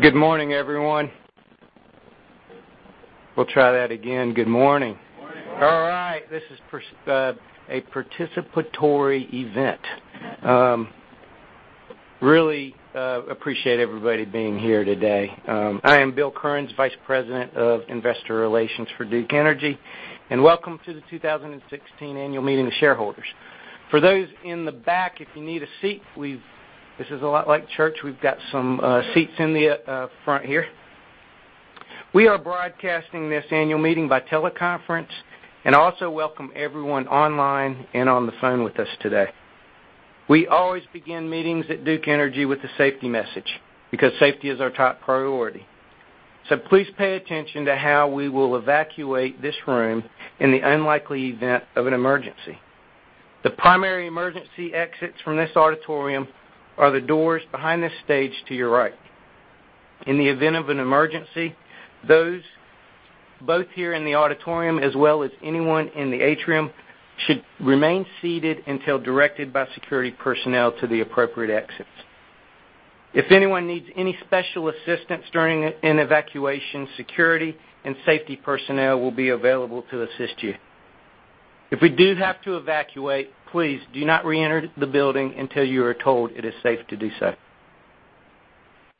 Good morning, everyone. We'll try that again. Good morning. Morning. All right. This is a participatory event. Really appreciate everybody being here today. I am Bill Cares, Vice President of Investor Relations for Duke Energy, welcome to the 2016 Annual Meeting of Shareholders. For those in the back, if you need a seat, this is a lot like church, we've got some seats in the front here. We are broadcasting this annual meeting by teleconference. Also welcome everyone online and on the phone with us today. We always begin meetings at Duke Energy with a safety message, because safety is our top priority. Please pay attention to how we will evacuate this room in the unlikely event of an emergency. The primary emergency exits from this auditorium are the doors behind the stage to your right. In the event of an emergency, those both here in the auditorium as well as anyone in the atrium, should remain seated until directed by security personnel to the appropriate exits. If anyone needs any special assistance during an evacuation, security and safety personnel will be available to assist you. If we do have to evacuate, please do not reenter the building until you are told it is safe to do so.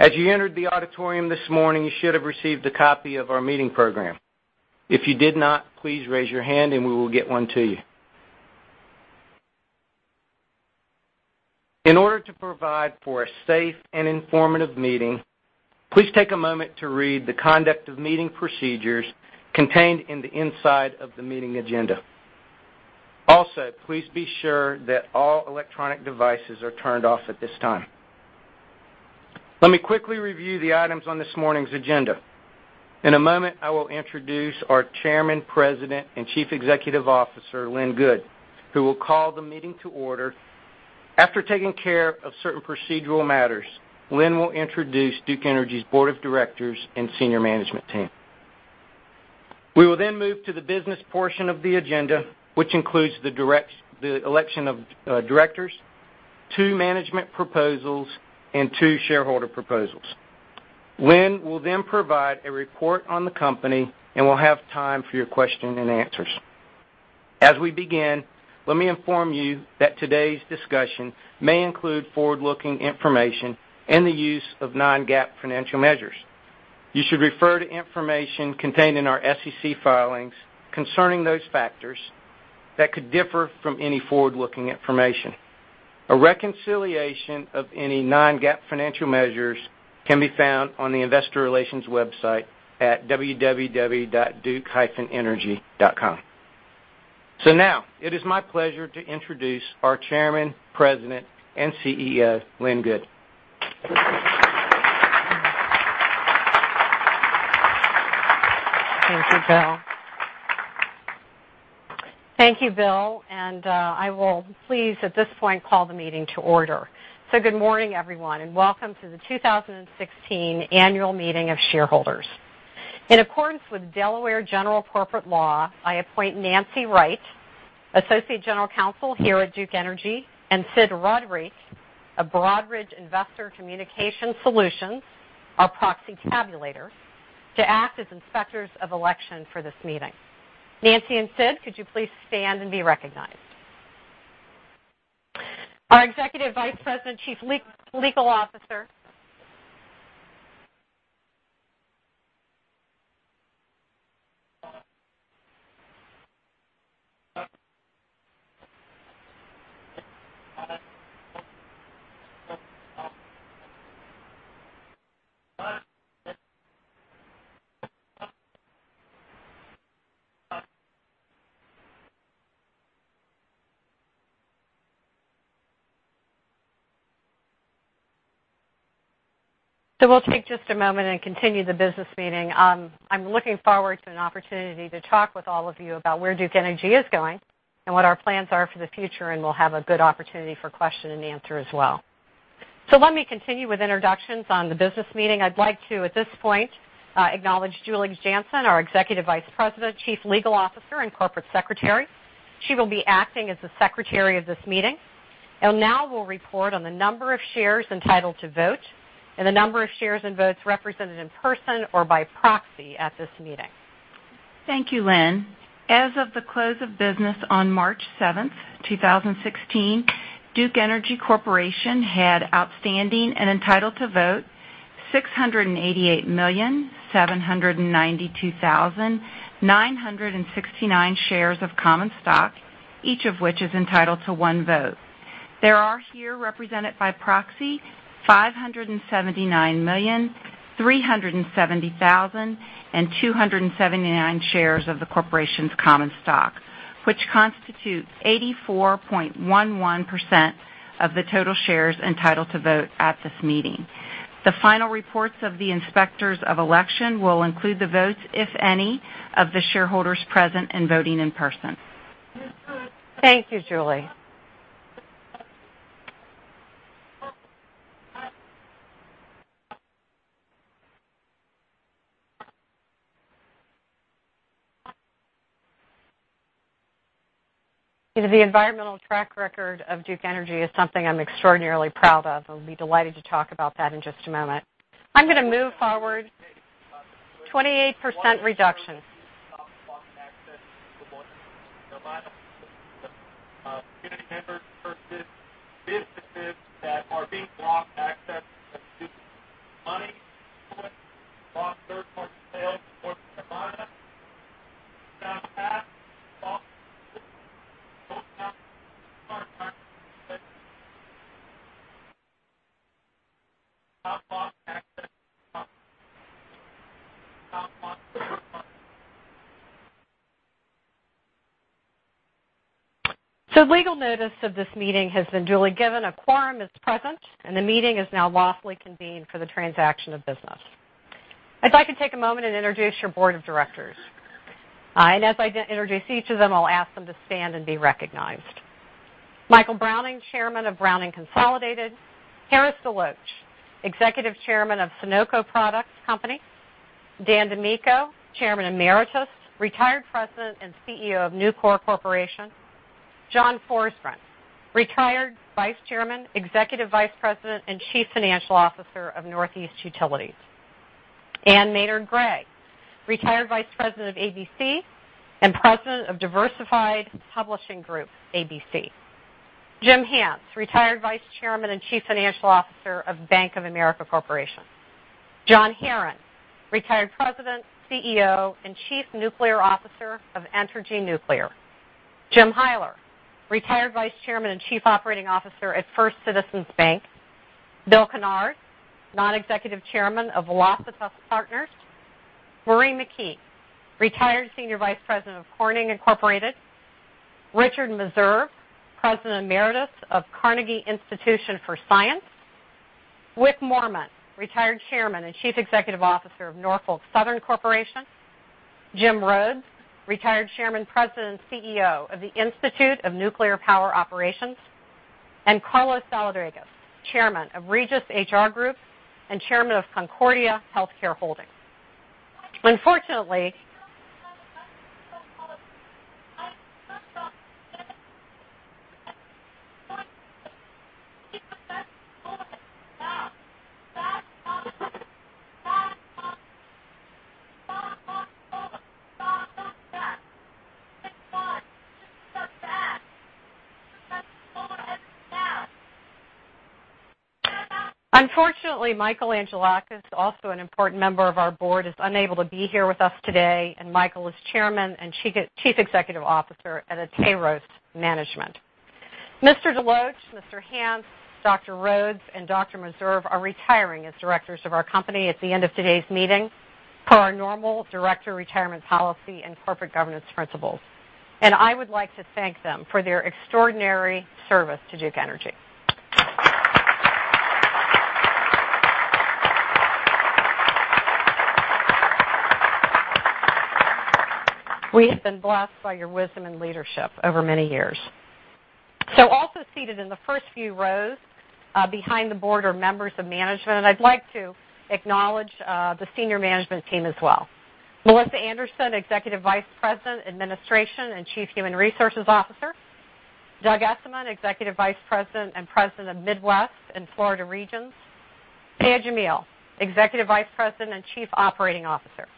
As you entered the auditorium this morning, you should have received a copy of our meeting program. If you did not, please raise your hand and we will get one to you. In order to provide for a safe and informative meeting, please take a moment to read the conduct of meeting procedures contained in the inside of the meeting agenda. Please be sure that all electronic devices are turned off at this time. Let me quickly review the items on this morning's agenda. In a moment, I will introduce our Chairman, President, and Chief Executive Officer, Lynn Good, who will call the meeting to order. After taking care of certain procedural matters, Lynn will introduce Duke Energy's Board of Directors and senior management team. We will move to the business portion of the agenda, which includes the election of directors, two management proposals, and two shareholder proposals. Lynn will provide a report on the company. We'll have time for your question and answers. As we begin, let me inform you that today's discussion may include forward-looking information and the use of non-GAAP financial measures. You should refer to information contained in our SEC filings concerning those factors that could differ from any forward-looking information. A reconciliation of any non-GAAP financial measures can be found on the investor relations website at www.duke-energy.com. Now, it is my pleasure to introduce our Chairman, President, and CEO, Lynn Good. Thank you, Bill. I will please, at this point, call the meeting to order. Good morning, everyone, and welcome to the 2016 Annual Meeting of Shareholders. In accordance with Delaware general corporate law, I appoint Nancy Wright, Associate General Counsel here at Duke Energy, and Sid Rodriguez of Broadridge Investor Communication Solutions, our proxy tabulator, to act as Inspectors of Election for this meeting. Nancy and Sid, could you please stand and be recognized? We'll take just a moment and continue the business meeting. I'm looking forward to an opportunity to talk with all of you about where Duke Energy is going and what our plans are for the future, and we'll have a good opportunity for question and answer as well. Let me continue with introductions on the business meeting. I'd like to, at this point, acknowledge Julie Janson, our Executive Vice President, Chief Legal Officer, and Corporate Secretary. She will be acting as the secretary of this meeting, now will report on the number of shares entitled to vote and the number of shares and votes represented in person or by proxy at this meeting. Thank you, Lynn. As of the close of business on March 7th, 2016, Duke Energy Corporation had outstanding and entitled to vote 688,792,969 shares of common stock, each of which is entitled to one vote. There are here represented by proxy 579,370,279 shares of the corporation's common stock, which constitutes 84.11% of the total shares entitled to vote at this meeting. The final reports of the Inspectors of Election will include the votes, if any, of the shareholders present and voting in person. Thank you, Julie. The environmental track record of Duke Energy is something I'm extraordinarily proud of. I'll be delighted to talk about that in just a moment. I'm going to move forward. 28% reduction. Legal notice of this meeting has been duly given. A quorum is present, and the meeting is now lawfully convened for the transaction of business. I'd like to take a moment and introduce your board of directors. As I introduce each of them, I'll ask them to stand and be recognized. Michael Browning, Chairman of Browning Consolidated. Harris DeLoach, Executive Chairman of Sonoco Products Company. Dan DiMicco, Chairman Emeritus, retired President and CEO of Nucor Corporation. John Forsgren, retired Vice Chairman, Executive Vice President, and Chief Financial Officer of Northeast Utilities. Ann Maynard Gray, retired Vice President of ABC Inc. and President of Diversified Publishing Group, ABC Inc. Jim Hance, retired Vice Chairman and Chief Financial Officer of Bank of America Corporation. John Herron, retired President, CEO, and Chief Nuclear Officer of Entergy Nuclear. Jim Hyler, retired Vice Chairman and Chief Operating Officer at First Citizens Bank. Bill Kennard, Non-Executive Chairman of Velocitas Partners. Marie McKee, retired Senior Vice President of Corning Incorporated. Richard Meserve, President Emeritus of Carnegie Institution for Science. Wick Moorman, retired Chairman and Chief Executive Officer of Norfolk Southern Corporation. Jim Rhodes, retired Chairman, President, and CEO of the Institute of Nuclear Power Operations, Carlos Saladrigas, Chairman of Regis HR Group and Chairman of Concordia Healthcare Corp. Unfortunately, Michael Angelakis, also an important member of our board, is unable to be here with us today, and Michael is Chairman and Chief Executive Officer at Atairos Management. Mr. DeLoach, Mr. Hance, Dr. Rhodes, and Dr. Meserve are retiring as directors of our company at the end of today's meeting per our normal director retirement policy and corporate governance principles. I would like to thank them for their extraordinary service to Duke Energy. We have been blessed by your wisdom and leadership over many years. Also seated in the first few rows behind the board are members of management, and I'd like to acknowledge the senior management team as well. Melissa Anderson, Executive Vice President, Administration, and Chief Human Resources Officer. Doug Esamann, Executive Vice President and President of Midwest and Florida Regions. Dhiaa Jamil, Executive Vice President and Chief Operating Officer.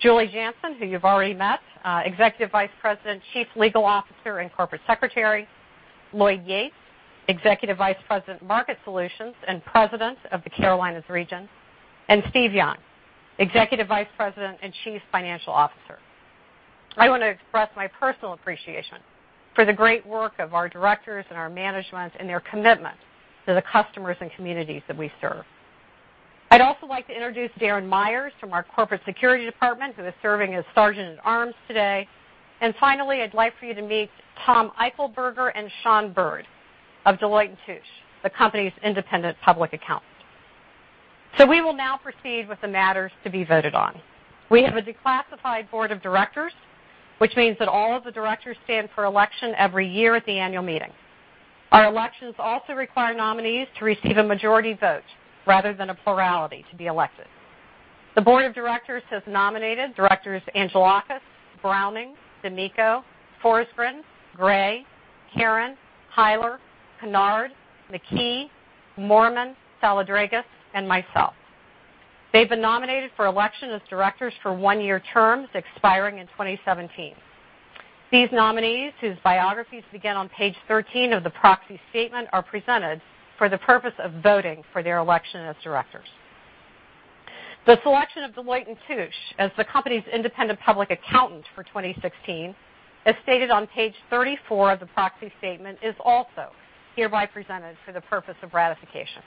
Julie Janson, who you've already met, Executive Vice President, Chief Legal Officer, and Corporate Secretary. Lloyd Yates, Executive Vice President of Market Solutions and President of the Carolinas region. Steve Young, Executive Vice President and Chief Financial Officer. I want to express my personal appreciation for the great work of our directors and our management and their commitment to the customers and communities that we serve. I'd also like to introduce Darren Myers from our corporate security department, who is serving as sergeant at arms today. Finally, I'd like for you to meet Tom Eichelberger and Sean Bird of Deloitte & Touche LLP, the company's independent public accountant. We will now proceed with the matters to be voted on. We have a declassified board of directors, which means that all of the directors stand for election every year at the annual meeting. Our elections also require nominees to receive a majority vote rather than a plurality to be elected. The board of directors has nominated directors Angelakis, Browning, DiMicco, Forsgren, Gray, Herron, Hance, Kennard, McKee, Moorman, Saladrigas, and myself. They've been nominated for election as directors for one-year terms expiring in 2017. These nominees, whose biographies begin on page 13 of the proxy statement, are presented for the purpose of voting for their election as directors. The selection of Deloitte & Touche as the company's independent public accountant for 2016, as stated on page 34 of the proxy statement, is also hereby presented for the purpose of ratification.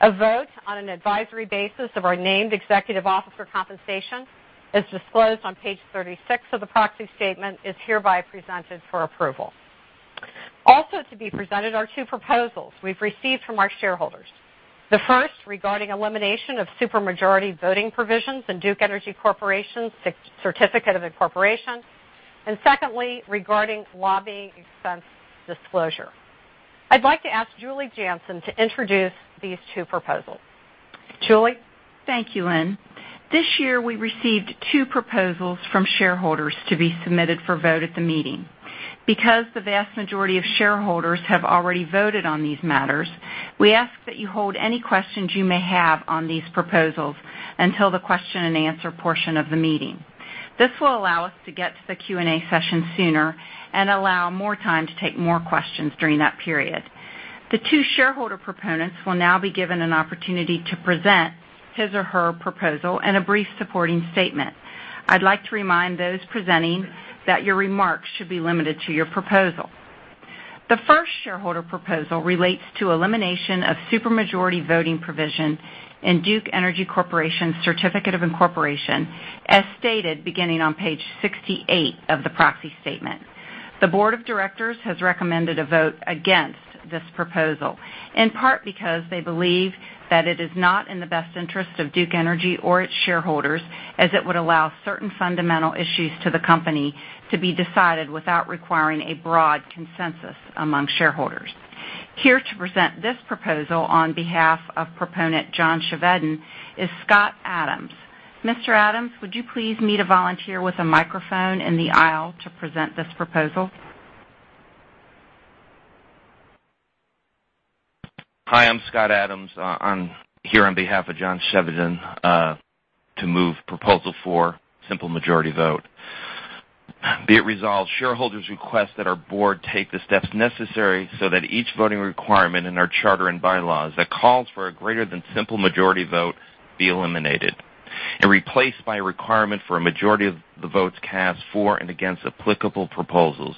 A vote on an advisory basis of our named executive officer compensation, as disclosed on page 36 of the proxy statement, is hereby presented for approval. Also to be presented are two proposals we've received from our shareholders. The first, regarding elimination of super majority voting provisions in Duke Energy Corporation's certificate of incorporation, and secondly, regarding lobbying expense disclosure. I'd like to ask Julie Janson to introduce these two proposals Julie? Thank you, Lynn. This year, we received two proposals from shareholders to be submitted for vote at the meeting. Because the vast majority of shareholders have already voted on these matters, we ask that you hold any questions you may have on these proposals until the question and answer portion of the meeting. This will allow us to get to the Q&A session sooner and allow more time to take more questions during that period. The two shareholder proponents will now be given an opportunity to present his or her proposal and a brief supporting statement. I'd like to remind those presenting that your remarks should be limited to your proposal. The first shareholder proposal relates to elimination of super majority voting provision in Duke Energy Corporation's certificate of incorporation, as stated beginning on page 68 of the proxy statement. The board of directors has recommended a vote against this proposal, in part, because they believe that it is not in the best interest of Duke Energy or its shareholders, as it would allow certain fundamental issues to the company to be decided without requiring a broad consensus among shareholders. Here to present this proposal on behalf of proponent John Chevedden is Scott Adams. Mr. Adams, would you please meet a volunteer with a microphone in the aisle to present this proposal? Hi, I'm Scott Adams. I'm here on behalf of John Chevedden to move proposal four, simple majority vote. Be it resolved, shareholders request that our board take the steps necessary so that each voting requirement in our charter and bylaws that calls for a greater than simple majority vote be eliminated and replaced by a requirement for a majority of the votes cast for and against applicable proposals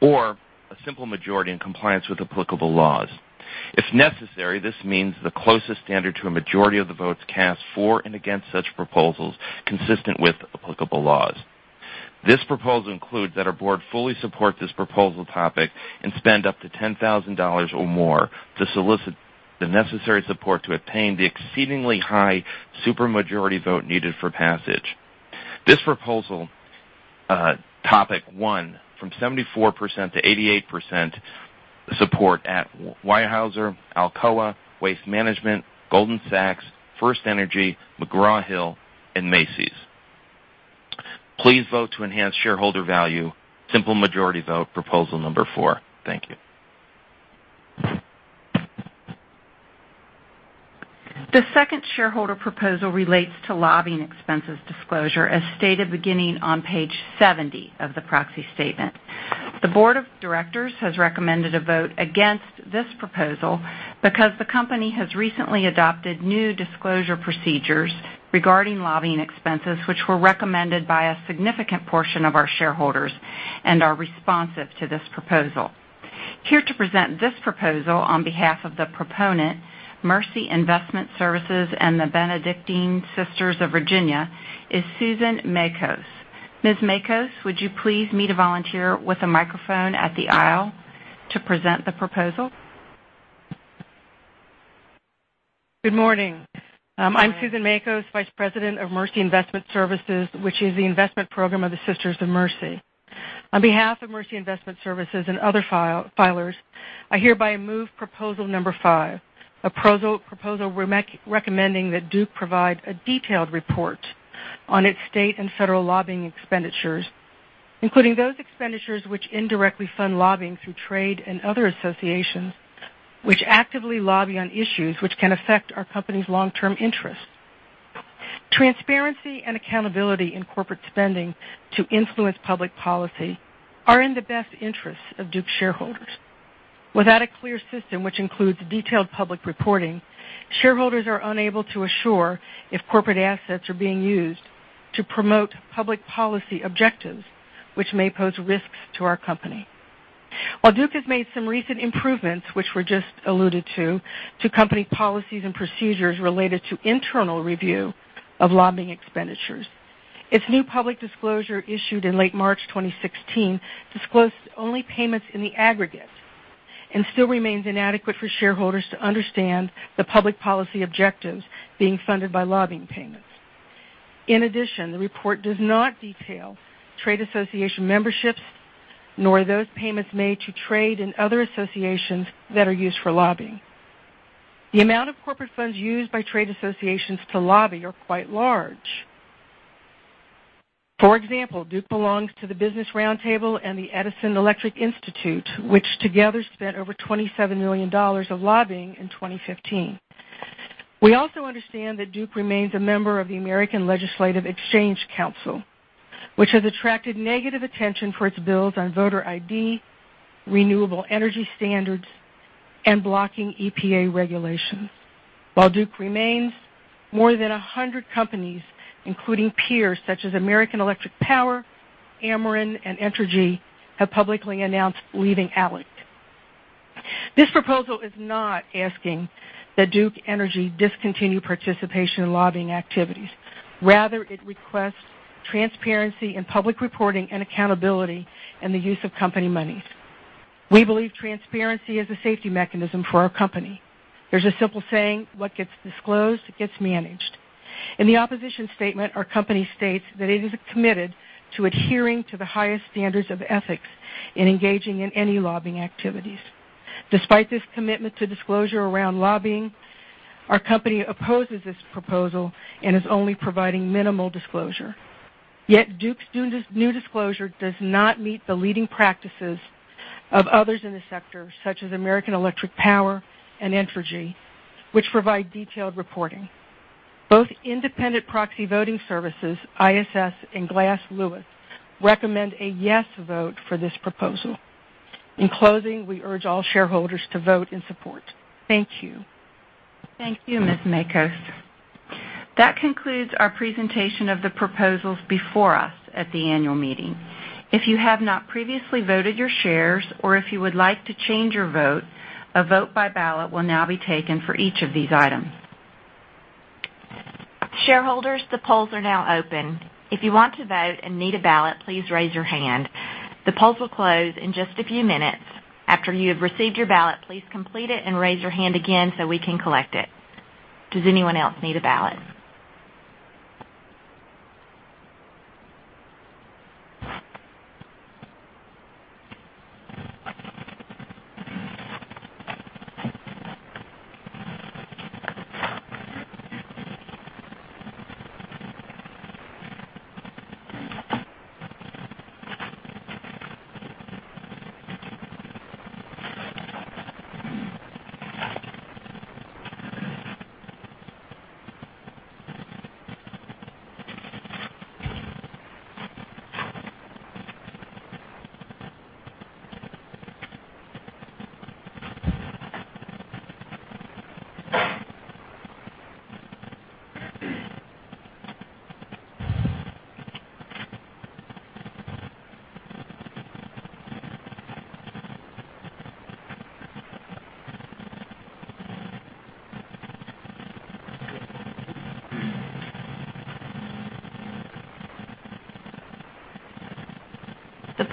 or a simple majority in compliance with applicable laws. If necessary, this means the closest standard to a majority of the votes cast for and against such proposals consistent with applicable laws. This proposal includes that our board fully support this proposal topic and spend up to $10,000 or more to solicit the necessary support to obtain the exceedingly high super majority vote needed for passage. This proposal, topic 1, from 74%-88% support at Weyerhaeuser, Alcoa, Waste Management, Goldman Sachs, FirstEnergy, McGraw Hill, and Macy's. Please vote to enhance shareholder value. Simple majority vote, proposal number four. Thank you. The second shareholder proposal relates to lobbying expenses disclosure, as stated beginning on page 70 of the proxy statement. The board of directors has recommended a vote against this proposal because the company has recently adopted new disclosure procedures regarding lobbying expenses, which were recommended by a significant portion of our shareholders and are responsive to this proposal. Here to present this proposal on behalf of the proponent Mercy Investment Services and the Benedictine Sisters of Virginia is Susan Makos. Ms. Makos, would you please meet a volunteer with a microphone at the aisle to present the proposal? Good morning. I'm Susan Makos, Vice President of Mercy Investment Services, which is the investment program of the Sisters of Mercy. On behalf of Mercy Investment Services and other filers, I hereby move proposal number five, a proposal recommending that Duke provide a detailed report on its state and federal lobbying expenditures, including those expenditures which indirectly fund lobbying through trade and other associations which actively lobby on issues which can affect our company's long-term interests. Transparency and accountability in corporate spending to influence public policy are in the best interests of Duke shareholders. Without a clear system which includes detailed public reporting, shareholders are unable to assure if corporate assets are being used to promote public policy objectives, which may pose risks to our company. While Duke has made some recent improvements, which were just alluded to company policies and procedures related to internal review of lobbying expenditures, its new public disclosure issued in late March 2016 disclosed only payments in the aggregate and still remains inadequate for shareholders to understand the public policy objectives being funded by lobbying payments. The report does not detail trade association memberships, nor those payments made to trade and other associations that are used for lobbying. The amount of corporate funds used by trade associations to lobby are quite large. For example, Duke belongs to the Business Roundtable and the Edison Electric Institute, which together spent over $27 million of lobbying in 2015. We also understand that Duke remains a member of the American Legislative Exchange Council, which has attracted negative attention for its bills on voter ID, renewable energy standards, and blocking EPA regulations. While Duke remains, more than 100 companies, including peers such as American Electric Power, Ameren, and Entergy, have publicly announced leaving ALEC. This proposal is not asking that Duke Energy discontinue participation in lobbying activities. Rather, it requests transparency in public reporting and accountability in the use of company monies. We believe transparency is a safety mechanism for our company. There's a simple saying, "What gets disclosed gets managed. In the opposition statement, our company states that it is committed to adhering to the highest standards of ethics in engaging in any lobbying activities. Despite this commitment to disclosure around lobbying, our company opposes this proposal and is only providing minimal disclosure. Yet Duke's new disclosure does not meet the leading practices of others in the sector, such as American Electric Power and Entergy, which provide detailed reporting. Both independent proxy voting services, ISS and Glass Lewis, recommend a yes vote for this proposal. In closing, we urge all shareholders to vote in support. Thank you. Thank you, Ms. Makos. That concludes our presentation of the proposals before us at the annual meeting. If you have not previously voted your shares or if you would like to change your vote, a vote by ballot will now be taken for each of these items. Shareholders, the polls are now open. If you want to vote and need a ballot, please raise your hand. The polls will close in just a few minutes. After you have received your ballot, please complete it and raise your hand again so we can collect it. Does anyone else need a ballot?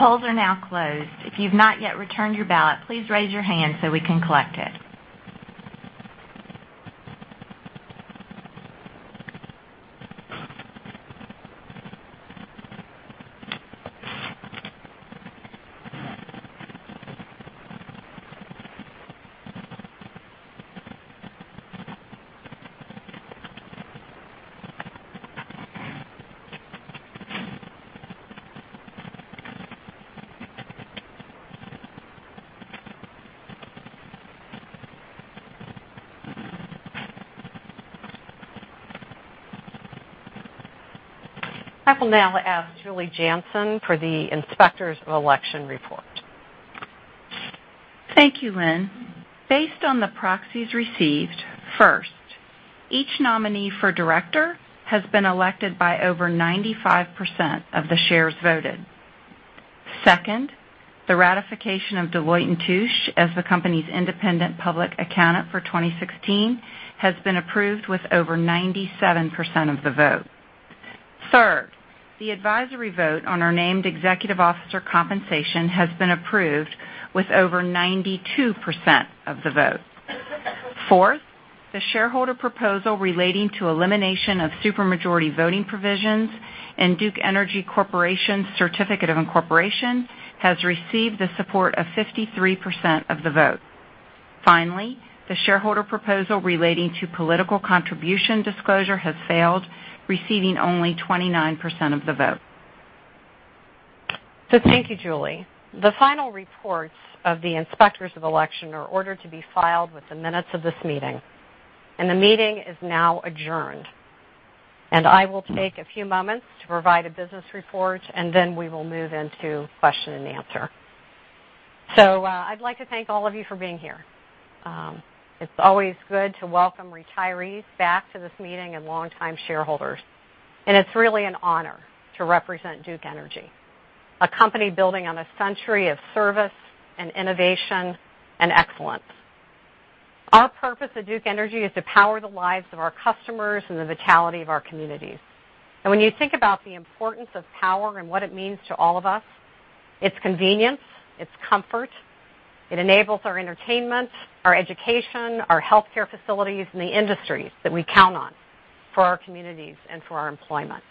The polls are now closed. If you've not yet returned your ballot, please raise your hand so we can collect it. I will now ask Julie Janson for the Inspectors of Election report. Thank you, Lynn. Based on the proxies received, first, each nominee for director has been elected by over 95% of the shares voted. Second, the ratification of Deloitte & Touche as the company's independent public accountant for 2016 has been approved with over 97% of the vote. Third, the advisory vote on our named executive officer compensation has been approved with over 92% of the vote. Fourth, the shareholder proposal relating to elimination of super majority voting provisions in Duke Energy Corporation's certificate of incorporation has received the support of 53% of the vote. Finally, the shareholder proposal relating to political contribution disclosure has failed, receiving only 29% of the vote. Thank you, Julie. The final reports of the Inspectors of Election are ordered to be filed with the minutes of this meeting. The meeting is now adjourned. I will take a few moments to provide a business report, and then we will move into question and answer. I'd like to thank all of you for being here. It's always good to welcome retirees back to this meeting and longtime shareholders. It's really an honor to represent Duke Energy, a company building on a century of service and innovation and excellence. Our purpose at Duke Energy is to power the lives of our customers and the vitality of our communities. When you think about the importance of power and what it means to all of us, it's convenience, it's comfort, it enables our entertainment, our education, our healthcare facilities, and the industries that we count on for our communities and for our employment.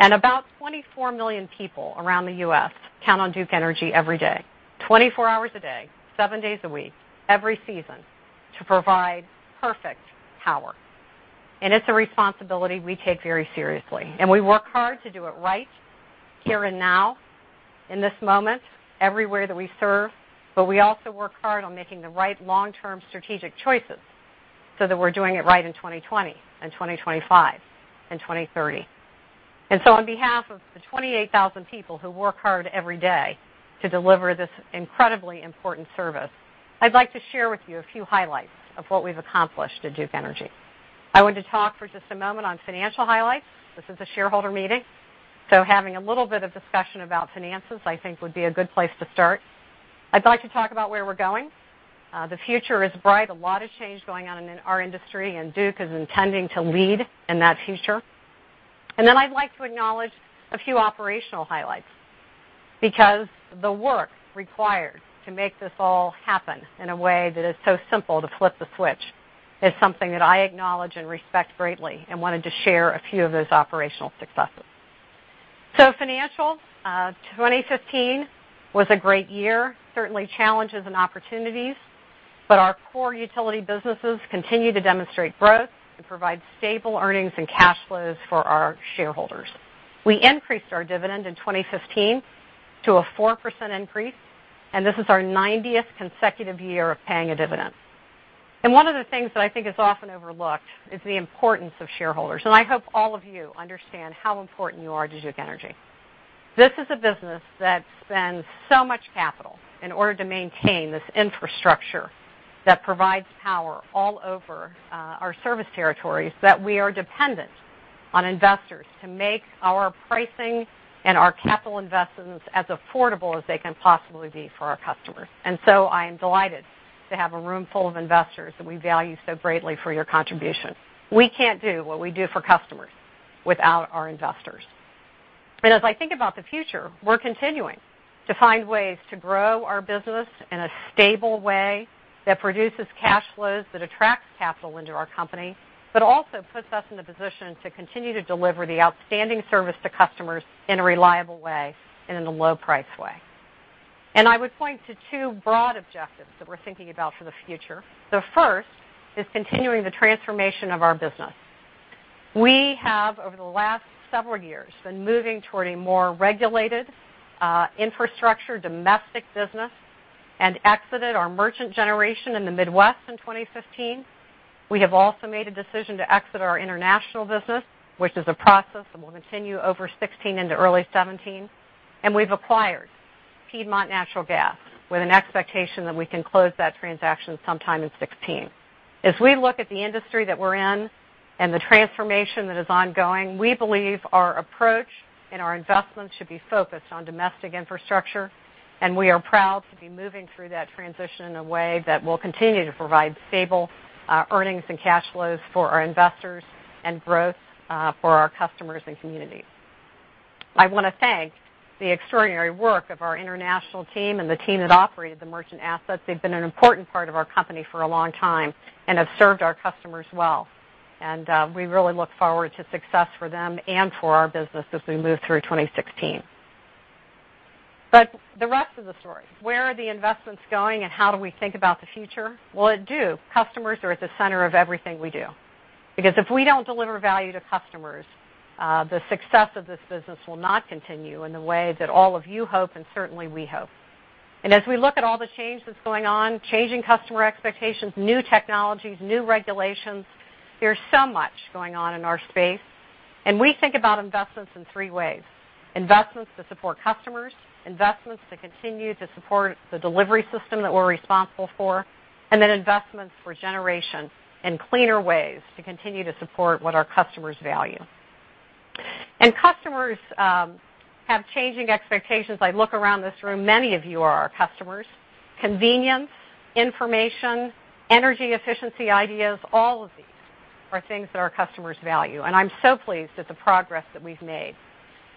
About 24 million people around the U.S. count on Duke Energy every day, 24 hours a day, seven days a week, every season, to provide perfect power. It's a responsibility we take very seriously, and we work hard to do it right here and now in this moment everywhere that we serve, but we also work hard on making the right long-term strategic choices so that we're doing it right in 2020 and 2025 and 2030. On behalf of the 28,000 people who work hard every day to deliver this incredibly important service, I'd like to share with you a few highlights of what we've accomplished at Duke Energy. I want to talk for just a moment on financial highlights. This is a shareholder meeting, so having a little bit of discussion about finances I think would be a good place to start. I'd like to talk about where we're going. The future is bright. A lot of change going on in our industry, and Duke is intending to lead in that future. I'd like to acknowledge a few operational highlights, because the work required to make this all happen in a way that is so simple to flip the switch is something that I acknowledge and respect greatly, and wanted to share a few of those operational successes. Financial, 2015 was a great year. Certainly challenges and opportunities, but our core utility businesses continue to demonstrate growth and provide stable earnings and cash flows for our shareholders. We increased our dividend in 2015 to a 4% increase, and this is our 90th consecutive year of paying a dividend. One of the things that I think is often overlooked is the importance of shareholders, and I hope all of you understand how important you are to Duke Energy. This is a business that spends so much capital in order to maintain this infrastructure that provides power all over our service territories, that we are dependent on investors to make our pricing and our capital investments as affordable as they can possibly be for our customers. I am delighted to have a room full of investors that we value so greatly for your contribution. We can't do what we do for customers without our investors. As I think about the future, we're continuing to find ways to grow our business in a stable way that produces cash flows that attract capital into our company, but also puts us in the position to continue to deliver the outstanding service to customers in a reliable way and in a low price way. I would point to two broad objectives that we're thinking about for the future. The first is continuing the transformation of our business. We have, over the last several years, been moving toward a more regulated, infrastructure domestic business and exited our merchant generation in the Midwest in 2015. We have also made a decision to exit our international business, which is a process that will continue over 2016 into early 2017. We've acquired Piedmont Natural Gas, with an expectation that we can close that transaction sometime in 2016. We look at the industry that we're in and the transformation that is ongoing, we believe our approach and our investments should be focused on domestic infrastructure. We are proud to be moving through that transition in a way that will continue to provide stable earnings and cash flows for our investors and growth for our customers and communities. I want to thank the extraordinary work of our international team and the team that operated the merchant assets. They've been an important part of our company for a long time and have served our customers well. We really look forward to success for them and for our business as we move through 2016. The rest of the story, where are the investments going and how do we think about the future? Well, at Duke, customers are at the center of everything we do. Because if we don't deliver value to customers, the success of this business will not continue in the way that all of you hope and certainly we hope. We look at all the change that's going on, changing customer expectations, new technologies, new regulations, there's so much going on in our space. We think about investments in three ways. Investments that support customers, investments that continue to support the delivery system that we're responsible for, and then investments for generation and cleaner ways to continue to support what our customers value. Customers have changing expectations. I look around this room, many of you are our customers. Convenience, information, energy efficiency ideas, all of these are things that our customers value. I'm so pleased at the progress that we've made.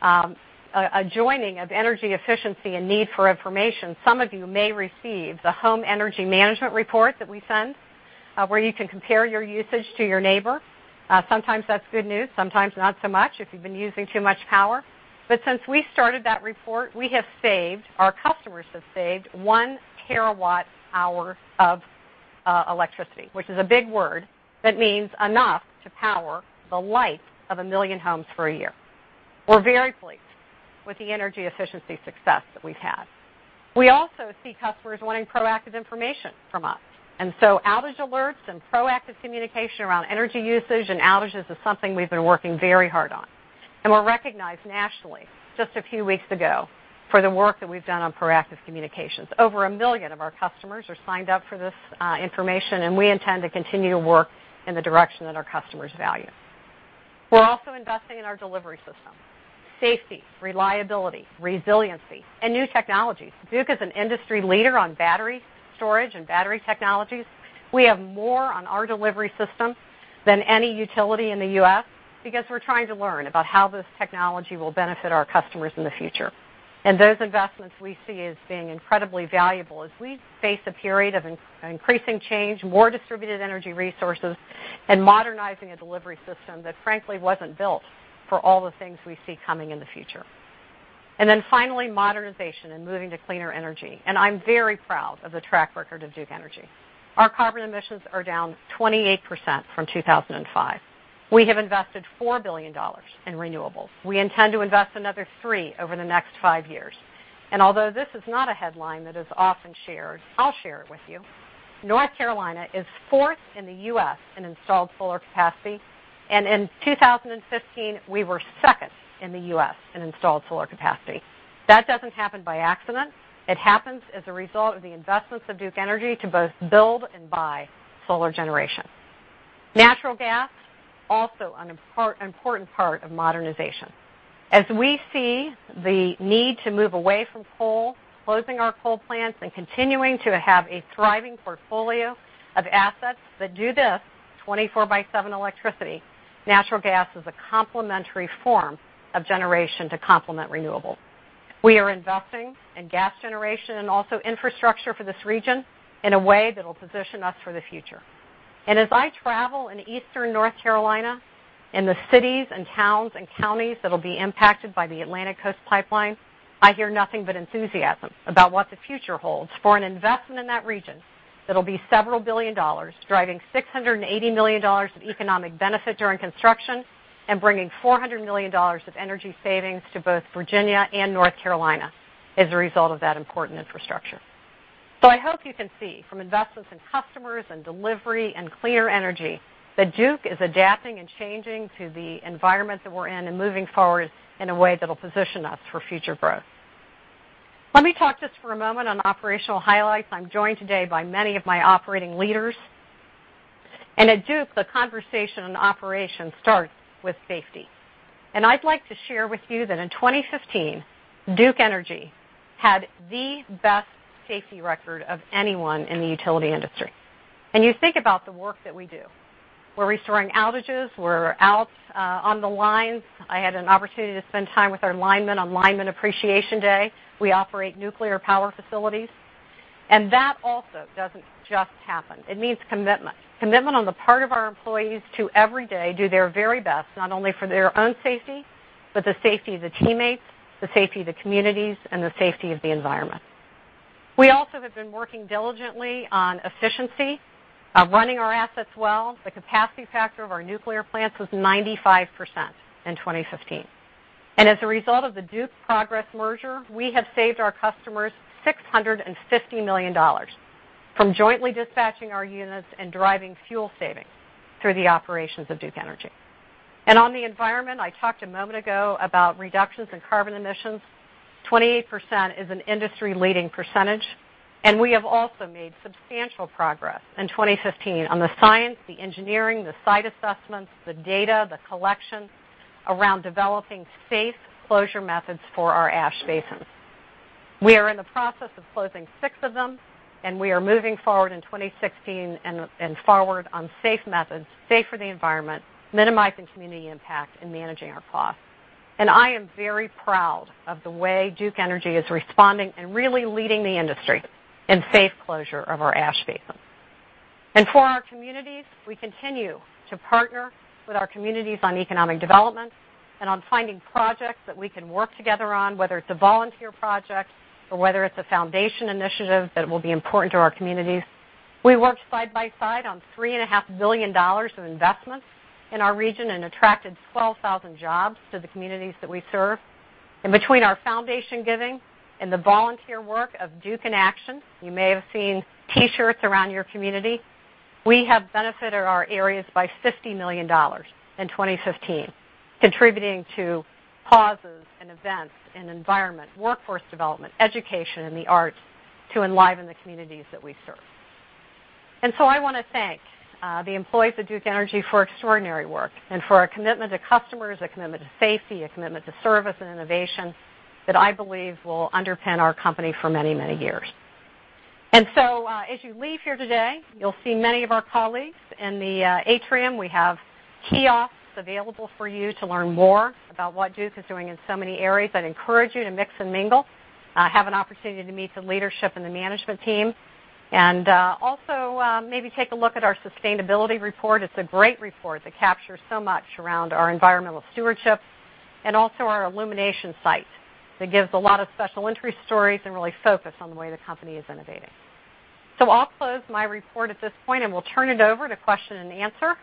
A joining of energy efficiency and need for information. Some of you may receive the Home Energy Management report that we send, where you can compare your usage to your neighbor. Sometimes that's good news, sometimes not so much, if you've been using too much power. Since we started that report, we have saved, our customers have saved 1 terawatt hour of electricity, which is a big word that means enough to power the light of 1 million homes for a year. We're very pleased with the energy efficiency success that we've had. We also see customers wanting proactive information from us, outage alerts and proactive communication around energy usage and outages is something we've been working very hard on. We're recognized nationally just a few weeks ago for the work that we've done on proactive communications. Over 1 million of our customers are signed up for this information, we intend to continue to work in the direction that our customers value. We're also investing in our delivery system. Safety, reliability, resiliency, and new technologies. Duke is an industry leader on battery storage and battery technologies. We have more on our delivery system than any utility in the U.S. because we're trying to learn about how this technology will benefit our customers in the future. Those investments, we see as being incredibly valuable as we face a period of increasing change, more distributed energy resources, and modernizing a delivery system that frankly wasn't built for all the things we see coming in the future. Finally, modernization and moving to cleaner energy. I'm very proud of the track record of Duke Energy. Our carbon emissions are down 28% from 2005. We have invested $4 billion in renewables. We intend to invest another three over the next five years. Although this is not a headline that is often shared, I'll share it with you. North Carolina is fourth in the U.S. in installed solar capacity, and in 2015, we were second in the U.S. in installed solar capacity. That doesn't happen by accident. It happens as a result of the investments of Duke Energy to both build and buy solar generation. Natural gas, also an important part of modernization. As we see the need to move away from coal, closing our coal plants and continuing to have a thriving portfolio of assets that do this, 24 by seven electricity, natural gas is a complementary form of generation to complement renewables. We are investing in gas generation and also infrastructure for this region in a way that'll position us for the future. As I travel in eastern North Carolina, in the cities and towns and counties that'll be impacted by the Atlantic Coast Pipeline, I hear nothing but enthusiasm about what the future holds for an investment in that region that'll be several billion dollars, driving $680 million of economic benefit during construction and bringing $400 million of energy savings to both Virginia and North Carolina as a result of that important infrastructure. I hope you can see from investments in customers and delivery and clear energy that Duke is adapting and changing to the environment that we're in and moving forward in a way that'll position us for future growth. Let me talk just for a moment on operational highlights. I'm joined today by many of my operating leaders. At Duke, the conversation on operations starts with safety. I'd like to share with you that in 2015, Duke Energy had the best safety record of anyone in the utility industry. You think about the work that we do. We're restoring outages. We're out on the lines. I had an opportunity to spend time with our linemen on Lineman Appreciation Day. We operate nuclear power facilities. That also doesn't just happen. It means commitment. Commitment on the part of our employees to, every day, do their very best, not only for their own safety, but the safety of the teammates, the safety of the communities, and the safety of the environment. We also have been working diligently on efficiency, running our assets well. The capacity factor of our nuclear plants was 95% in 2015. As a result of the Duke Progress merger, we have saved our customers $650 million from jointly dispatching our units and driving fuel savings through the operations of Duke Energy. On the environment, I talked a moment ago about reductions in carbon emissions. 28% is an industry-leading percentage, and we have also made substantial progress in 2015 on the science, the engineering, the site assessments, the data, the collections around developing safe closure methods for our ash basins. We are in the process of closing six of them, and we are moving forward in 2016 and forward on safe methods, safe for the environment, minimizing community impact, and managing our costs. I am very proud of the way Duke Energy is responding and really leading the industry in safe closure of our ash basins. For our communities, we continue to partner with our communities on economic development and on finding projects that we can work together on, whether it's a volunteer project or whether it's a foundation initiative that will be important to our communities. We worked side by side on three and a half billion dollars of investments in our region and attracted 12,000 jobs to the communities that we serve. Between our foundation giving and the volunteer work of Duke in Action, you may have seen T-shirts around your community, we have benefited our areas by $60 million in 2015, contributing to causes and events in environment, workforce development, education, and the arts to enliven the communities that we serve. I want to thank the employees of Duke Energy for extraordinary work and for a commitment to customers, a commitment to safety, a commitment to service and innovation that I believe will underpin our company for many, many years. As you leave here today, you'll see many of our colleagues in the atrium. We have kiosks available for you to learn more about what Duke is doing in so many areas. I'd encourage you to mix and mingle, have an opportunity to meet some leadership and the management team. Also, maybe take a look at our sustainability report. It's a great report that captures so much around our environmental stewardship. Also our illumination site that gives a lot of special interest stories and really focus on the way the company is innovating. I'll close my report at this point, and we'll turn it over to question and answer.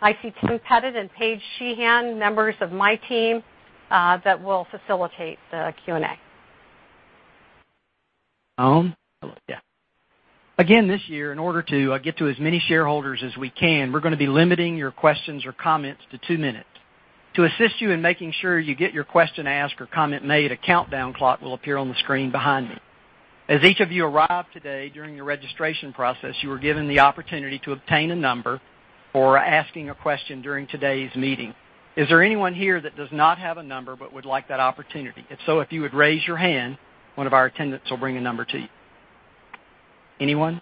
I see Tim Pettit and Paige Sheehan, members of my team, that will facilitate the Q&A. Hello. Yeah. Again, this year, in order to get to as many shareholders as we can, we're going to be limiting your questions or comments to two minutes. To assist you in making sure you get your question asked or comment made, a countdown clock will appear on the screen behind me. As each of you arrived today, during your registration process, you were given the opportunity to obtain a number for asking a question during today's meeting. Is there anyone here that does not have a number but would like that opportunity? If so, if you would raise your hand, one of our attendants will bring a number to you. Anyone?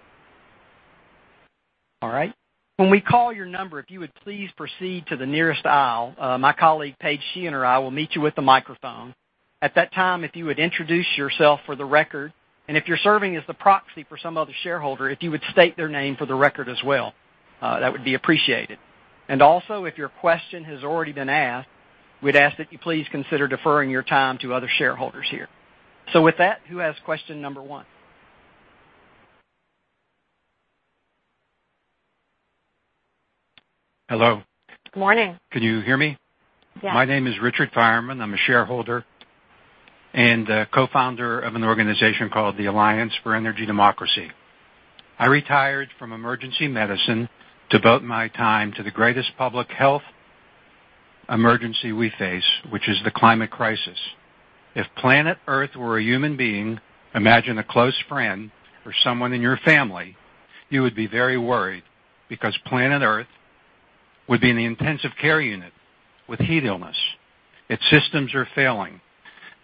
All right. When we call your number, if you would please proceed to the nearest aisle. My colleague, Paige Sheehan, or I will meet you with a microphone. At that time, if you would introduce yourself for the record, and if you're serving as the proxy for some other shareholder, if you would state their name for the record as well, that would be appreciated. Also, if your question has already been asked, we'd ask that you please consider deferring your time to other shareholders here. With that, who has question number one? Hello. Morning. Can you hear me? Yes. My name is Richard Fireman. I'm a shareholder and a co-founder of an organization called the Alliance for Energy Democracy. I retired from emergency medicine to devote my time to the greatest public health emergency we face, which is the climate crisis. If planet Earth were a human being, imagine a close friend or someone in your family. You would be very worried because planet Earth would be in the intensive care unit with heat illness. Its systems are failing.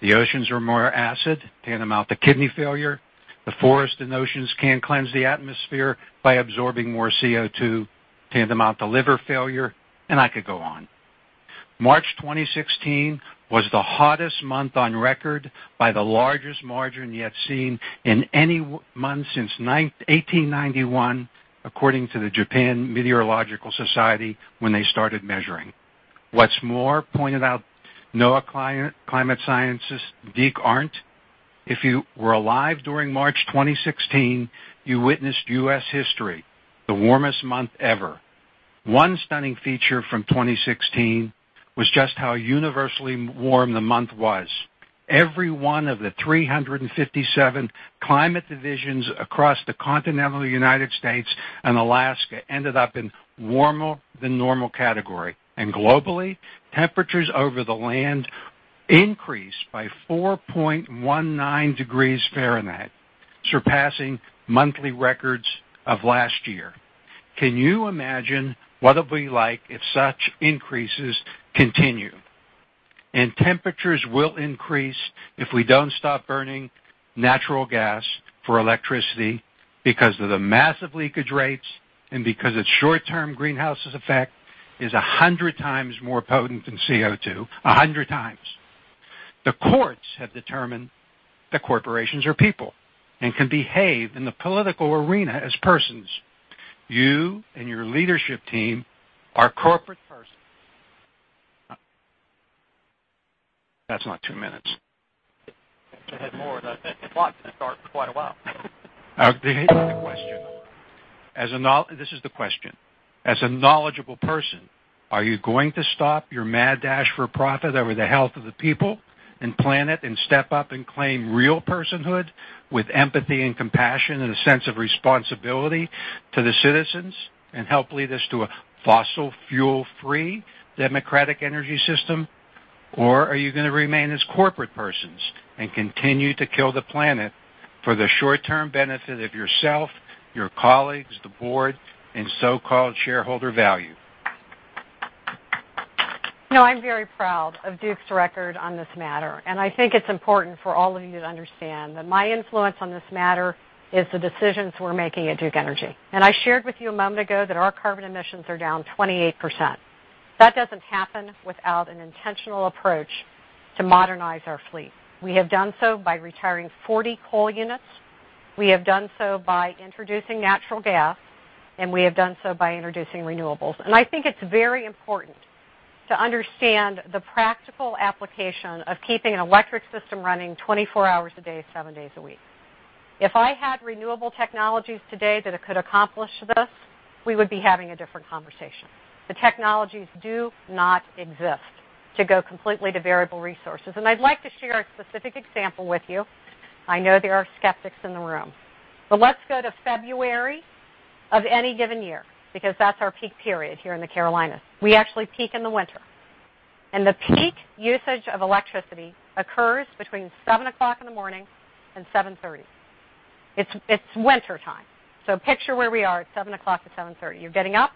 The oceans are more acid, tantamount to kidney failure. The forest and oceans can't cleanse the atmosphere by absorbing more CO2, tantamount to liver failure, and I could go on. March 2016 was the hottest month on record by the largest margin yet seen in any month since 1891, according to the Japan Meteorological Agency when they started measuring. What's more, pointed out NOAA climate scientist Deke Arndt, if you were alive during March 2016, you witnessed U.S. history, the warmest month ever. One stunning feature from 2016 was just how universally warm the month was. Every one of the 357 climate divisions across the continental United States and Alaska ended up in warmer than normal category. Globally, temperatures over the land increased by 4.19 degrees Fahrenheit, surpassing monthly records of last year. Can you imagine what it'll be like if such increases continue? Temperatures will increase if we don't stop burning natural gas for electricity because of the massive leakage rates and because its short-term greenhouse's effect is 100 times more potent than CO2. 100 times. The courts have determined that corporations are people and can behave in the political arena as persons. You and your leadership team are corporate persons. That's not two minutes. You had more than a clock to start for quite a while. I have a question. This is the question. As a knowledgeable person, are you going to stop your mad dash for profit over the health of the people and planet and step up and claim real personhood with empathy and compassion and a sense of responsibility to the citizens and help lead us to a fossil fuel-free democratic energy system? Or are you going to remain as corporate persons and continue to kill the planet for the short-term benefit of yourself, your colleagues, the board, and so-called shareholder value? I'm very proud of Duke's record on this matter, and I think it's important for all of you to understand that my influence on this matter is the decisions we're making at Duke Energy. I shared with you a moment ago that our carbon emissions are down 28%. That doesn't happen without an intentional approach to modernize our fleet. We have done so by retiring 40 coal units, we have done so by introducing natural gas, and we have done so by introducing renewables. I think it's very important to understand the practical application of keeping an electric system running 24 hours a day, 7 days a week. If I had renewable technologies today that could accomplish this, we would be having a different conversation. The technologies do not exist to go completely to variable resources, and I'd like to share a specific example with you. I know there are skeptics in the room. Let's go to February of any given year, because that's our peak period here in the Carolinas. We actually peak in the winter. The peak usage of electricity occurs between 7:00 A.M. and 7:30 A.M. It's winter time, so picture where we are at 7:00 A.M. to 7:30 A.M. You're getting up,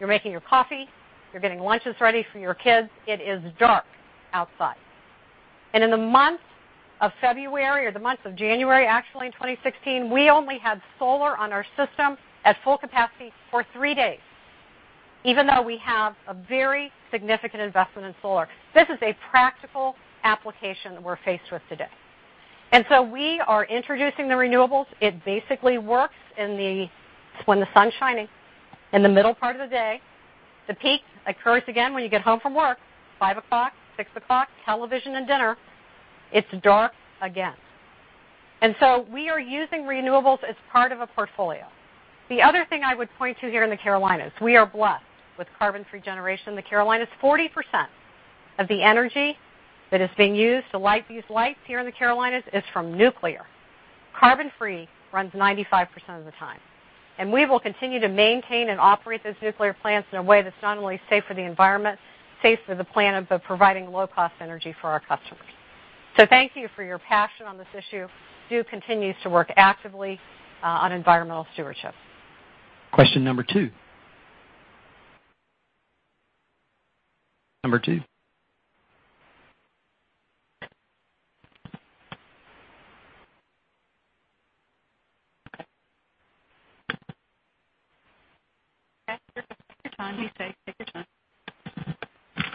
you're making your coffee, you're getting lunches ready for your kids. It is dark outside. In the month of February, or the month of January, actually, in 2016, we only had solar on our system at full capacity for three days, even though we have a very significant investment in solar. This is a practical application we're faced with today. We are introducing the renewables. It basically works when the sun's shining in the middle part of the day. The peak occurs again when you get home from work, 5:00, 6:00, television and dinner. It's dark again. We are using renewables as part of a portfolio. The other thing I would point to here in the Carolinas, we are blessed with carbon-free generation in the Carolinas. 40% of the energy that is being used to light these lights here in the Carolinas is from nuclear. Carbon-free runs 95% of the time. We will continue to maintain and operate those nuclear plants in a way that's not only safe for the environment, safe for the planet, but providing low-cost energy for our customers. Thank you for your passion on this issue. Duke continues to work actively on environmental stewardship. Question number 2. Number 2. Take your time. Be safe. Take your time.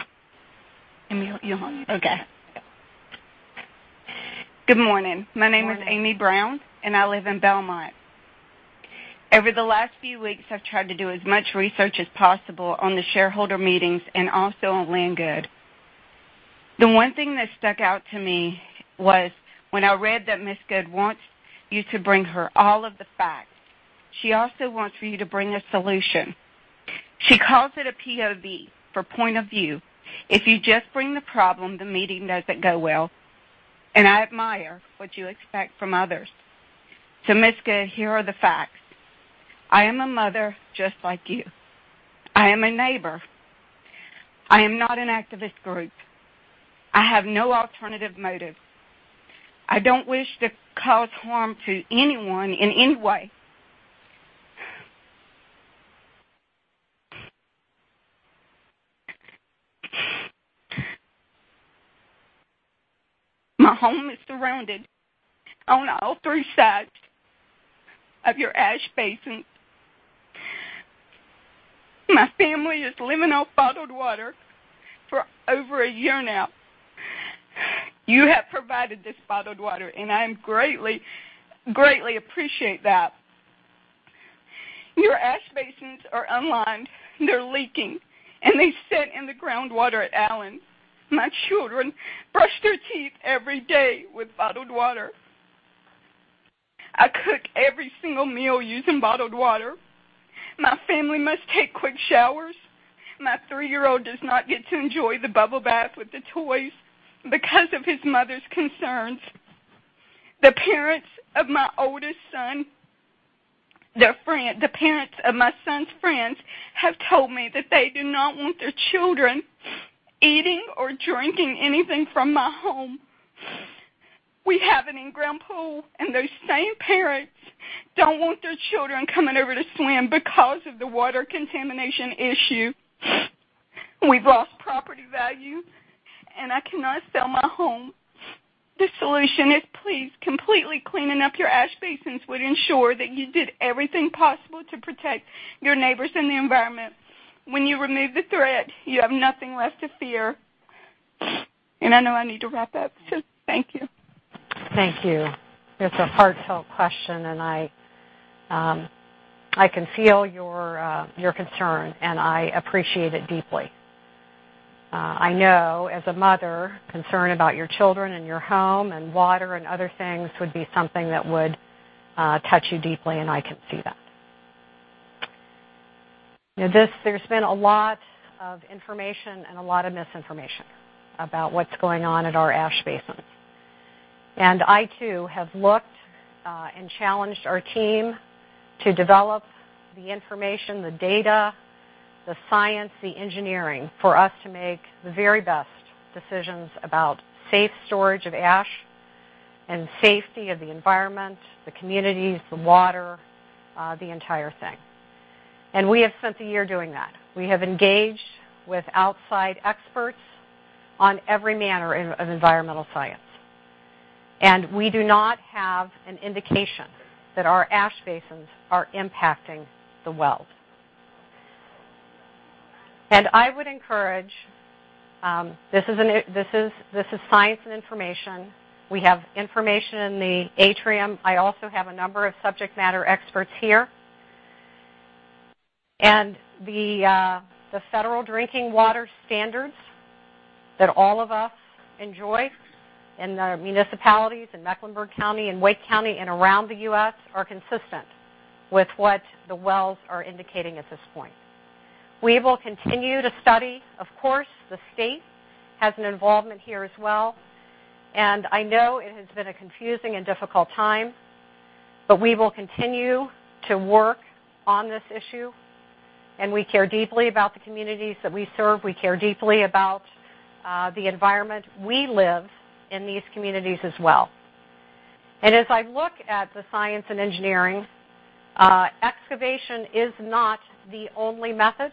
Amy, you're on mute. Okay. Good morning. Good morning. My name is Amy Brown, and I live in Belmont. Over the last few weeks, I've tried to do as much research as possible on the shareholder meetings and also on Lynn Good. The one thing that stuck out to me was when I read that Ms. Good wants you to bring her all of the facts. She also wants for you to bring a solution. She calls it a POV for point of view. If you just bring the problem, the meeting doesn't go well. I admire what you expect from others. Ms. Good, here are the facts. I am a mother just like you. I am a neighbor. I am not an activist group. I have no alternative motive. I don't wish to cause harm to anyone in any way. My home is surrounded on all three sides of your ash basins. My family is living off bottled water for over a year now. You have provided this bottled water, I greatly appreciate that. Your ash basins are unlined, they're leaking, they sit in the groundwater at Allen. My children brush their teeth every day with bottled water. I cook every single meal using bottled water. My family must take quick showers. My three-year-old does not get to enjoy the bubble bath with the toys because of his mother's concerns. The parents of my son's friends have told me that they do not want their children eating or drinking anything from my home. We have an in-ground pool, those same parents don't want their children coming over to swim because of the water contamination issue. We've lost property value, I cannot sell my home. The solution is, please, completely cleaning up your ash basins would ensure that you did everything possible to protect your neighbors and the environment. When you remove the threat, you have nothing left to fear. I know I need to wrap up, thank you. Thank you. It's a heartfelt question, I can feel your concern, and I appreciate it deeply. I know, as a mother, concern about your children and your home and water and other things would be something that would touch you deeply, and I can see that. There's been a lot of information and a lot of misinformation about what's going on at our ash basins. I, too, have looked and challenged our team to develop the information, the data, the science, the engineering, for us to make the very best decisions about safe storage of ash and safety of the environment, the communities, the water, the entire thing. We have spent a year doing that. We have engaged with outside experts on every manner of environmental science. We do not have an indication that our ash basins are impacting the wells. I would encourage, this is science and information. We have information in the atrium. I also have a number of subject matter experts here. The federal drinking water standards that all of us enjoy in the municipalities in Mecklenburg County and Wake County and around the U.S. are consistent with what the wells are indicating at this point. We will continue to study. Of course, the state has an involvement here as well. I know it has been a confusing and difficult time, but we will continue to work on this issue, and we care deeply about the communities that we serve. We care deeply about the environment. We live in these communities as well. As I look at the science and engineering, excavation is not the only method.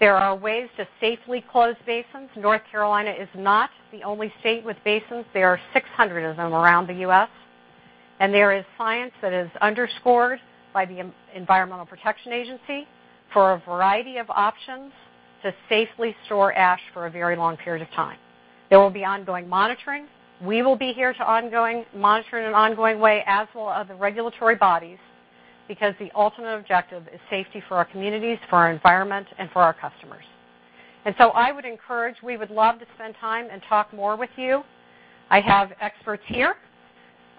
There are ways to safely close basins. North Carolina is not the only state with basins. There are 600 of them around the U.S., and there is science that is underscored by the Environmental Protection Agency for a variety of options to safely store ash for a very long period of time. There will be ongoing monitoring. We will be here to ongoing monitoring in an ongoing way, as will other regulatory bodies, because the ultimate objective is safety for our communities, for our environment, and for our customers. I would encourage, we would love to spend time and talk more with you. I have experts here.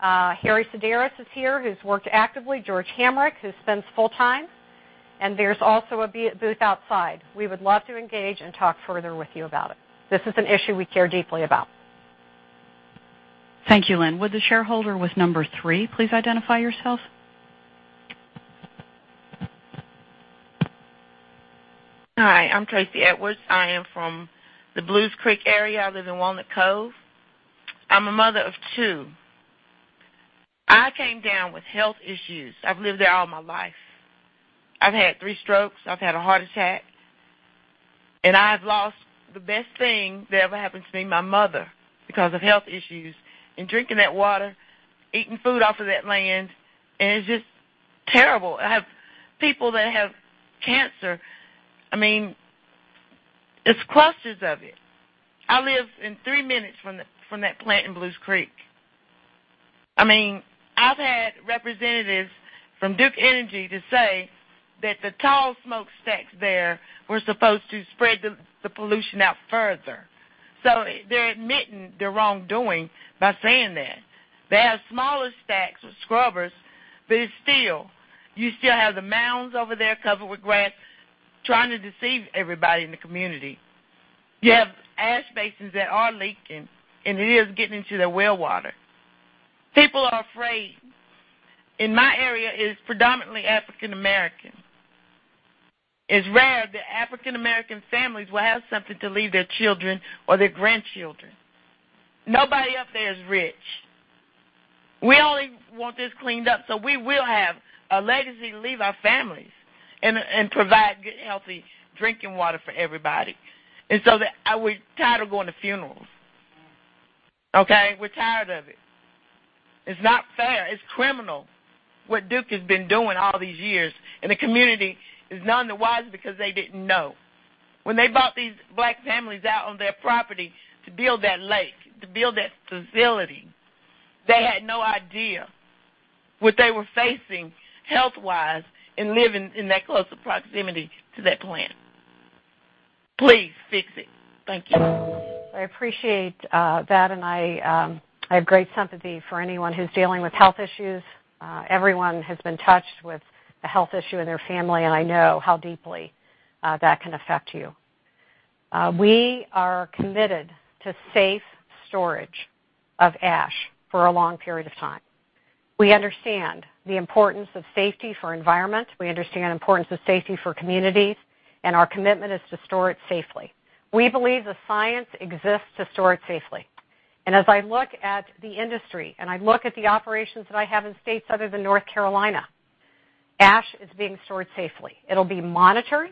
Harry Sideris is here, who's worked actively, George Hamrick, who spends full time, and there's also a booth outside. We would love to engage and talk further with you about it. This is an issue we care deeply about. Thank you, Lynn. Would the shareholder with number 3 please identify yourself? Hi, I'm Tracy Edwards. I am from the Belews Creek area. I live in Walnut Cove. I'm a mother of two. I came down with health issues. I've lived there all my life. I've had three strokes. I've had a heart attack. I have lost the best thing that ever happened to me, my mother, because of health issues and drinking that water, eating food off of that land, and it's just terrible. I have people that have cancer. I mean, it's clusters of it. I live in three minutes from that plant in Belews Creek. I mean, I've had representatives from Duke Energy say that the tall smokestacks there were supposed to spread the pollution out further. They're admitting their wrongdoing by saying that. They have smaller stacks with scrubbers, you still have the mounds over there covered with grass trying to deceive everybody in the community. You have ash basins that are leaking, and it is getting into their well water. People are afraid. My area is predominantly African American. It's rare that African American families will have something to leave their children or their grandchildren. Nobody up there is rich. We only want this cleaned up so we will have a legacy to leave our families and provide good, healthy drinking water for everybody. We're tired of going to funerals. Okay? We're tired of it. It's not fair. It's criminal what Duke has been doing all these years. The community is none the wiser because they didn't know. When they bought these Black families out on their property to build that lake, to build that facility, they had no idea what they were facing health-wise in living in that close of proximity to that plant. Please fix it. Thank you. I appreciate that, I have great sympathy for anyone who's dealing with health issues. Everyone has been touched with a health issue in their family, I know how deeply that can affect you. We are committed to safe storage of ash for a long period of time. We understand the importance of safety for environment, we understand the importance of safety for communities, our commitment is to store it safely. We believe the science exists to store it safely. As I look at the industry, I look at the operations that I have in states other than North Carolina, ash is being stored safely. It'll be monitored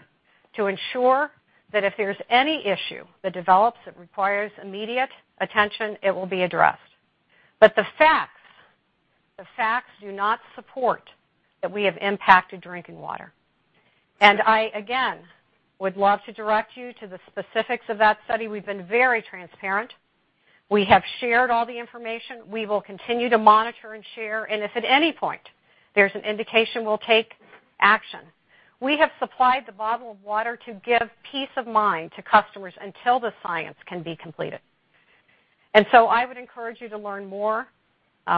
to ensure that if there's any issue that develops that requires immediate attention, it will be addressed. The facts do not support that we have impacted drinking water. I, again, would love to direct you to the specifics of that study. We've been very transparent. We have shared all the information. We will continue to monitor and share, and if at any point there's an indication, we'll take action. We have supplied the bottled water to give peace of mind to customers until the science can be completed. I would encourage you to learn more.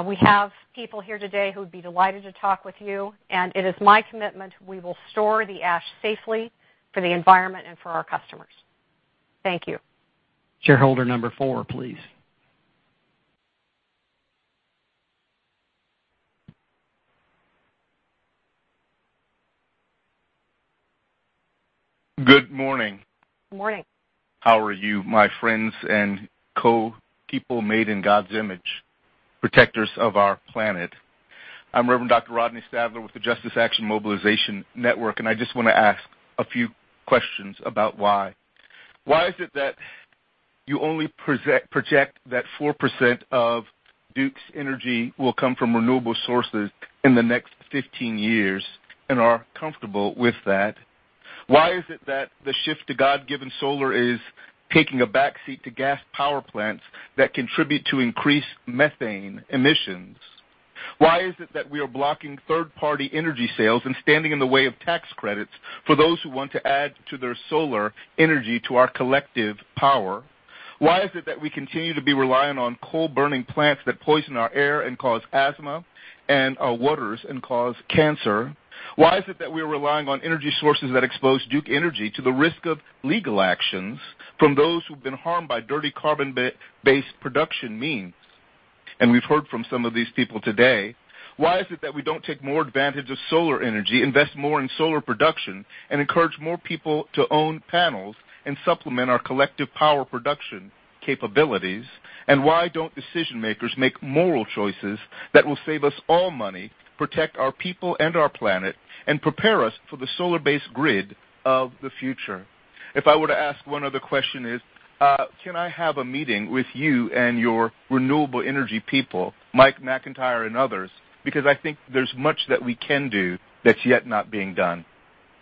We have people here today who would be delighted to talk with you, and it is my commitment we will store the ash safely for the environment and for our customers. Thank you. Shareholder number four, please. Good morning. Morning. How are you, my friends and co-people made in God's image, protectors of our planet? I'm Reverend Dr. Rodney Sadler with the Justice Action Mobilization Network, I just want to ask a few questions about why. Why is it that you only project that 4% of Duke's energy will come from renewable sources in the next 15 years and are comfortable with that? Why is it that the shift to God-given solar is taking a backseat to gas power plants that contribute to increased methane emissions? Why is it that we are blocking third-party energy sales and standing in the way of tax credits for those who want to add to their solar energy to our collective power? Why is it that we continue to be reliant on coal-burning plants that poison our air and cause asthma, and our waters and cause cancer? Why is it that we're relying on energy sources that expose Duke Energy to the risk of legal actions from those who've been harmed by dirty carbon-based production means? We've heard from some of these people today. Why is it that we don't take more advantage of solar energy, invest more in solar production, encourage more people to own panels and supplement our collective power production capabilities? Why don't decision-makers make moral choices that will save us all money, protect our people and our planet, and prepare us for the solar-based grid of the future? If I were to ask one other question is, can I have a meeting with you and your renewable energy people, Mark McIntire and others, because I think there's much that we can do that's yet not being done.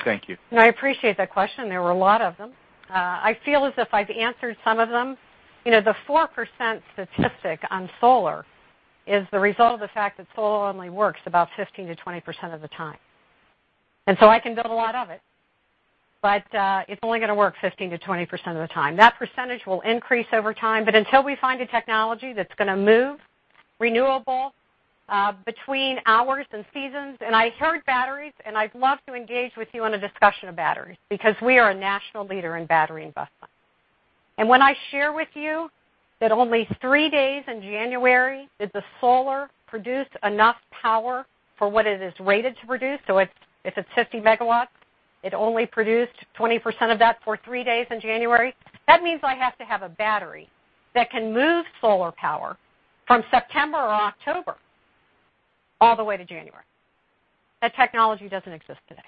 Thank you. No, I appreciate that question. There were a lot of them. I feel as if I've answered some of them. The 4% statistic on solar is the result of the fact that solar only works about 15%-20% of the time. I can build a lot of it, but it's only going to work 15%-20% of the time. That percentage will increase over time, but until we find a technology that's going to move renewable between hours and seasons, I heard batteries, I'd love to engage with you on a discussion of batteries because we are a national leader in battery investment. When I share with you that only three days in January did the solar produce enough power for what it is rated to produce, so if it's 50 megawatts, it only produced 20% of that for three days in January, that means I have to have a battery that can move solar power from September or October all the way to January. That technology doesn't exist today.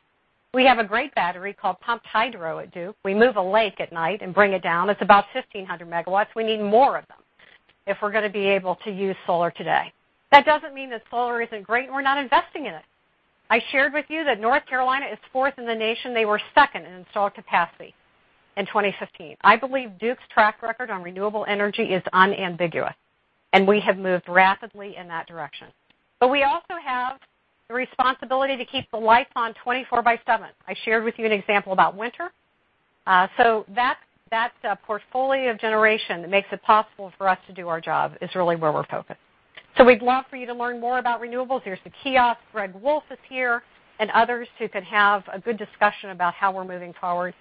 We have a great battery called pumped hydro at Duke. We move a lake at night and bring it down. It's about 1,500 megawatts. We need more of them if we're going to be able to use solar today. That doesn't mean that solar isn't great and we're not investing in it. I shared with you that North Carolina is fourth in the nation. They were second in install capacity in 2015. I believe Duke's track record on renewable energy is unambiguous, we have moved rapidly in that direction. But we also have the responsibility to keep the lights on 24 by seven. I shared with you an example about winter. That portfolio of generation that makes it possible for us to do our job is really where we're focused. We'd love for you to learn more about renewables. There's the kiosk. Greg Wolf is here and others who can have a good discussion about how we're moving forward.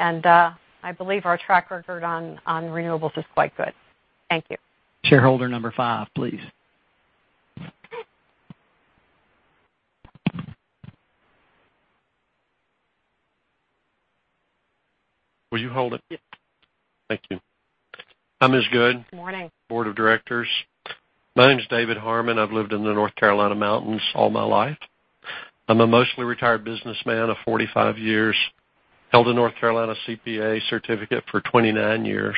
I believe our track record on renewables is quite good. Thank you. Shareholder number 5, please. Will you hold it? Yes. Thank you. Hi, Ms. Good. Morning. Board of Directors. My name is David Harmon. I've lived in the North Carolina mountains all my life. I'm a mostly retired businessman of 45 years, held a North Carolina CPA certificate for 29 years.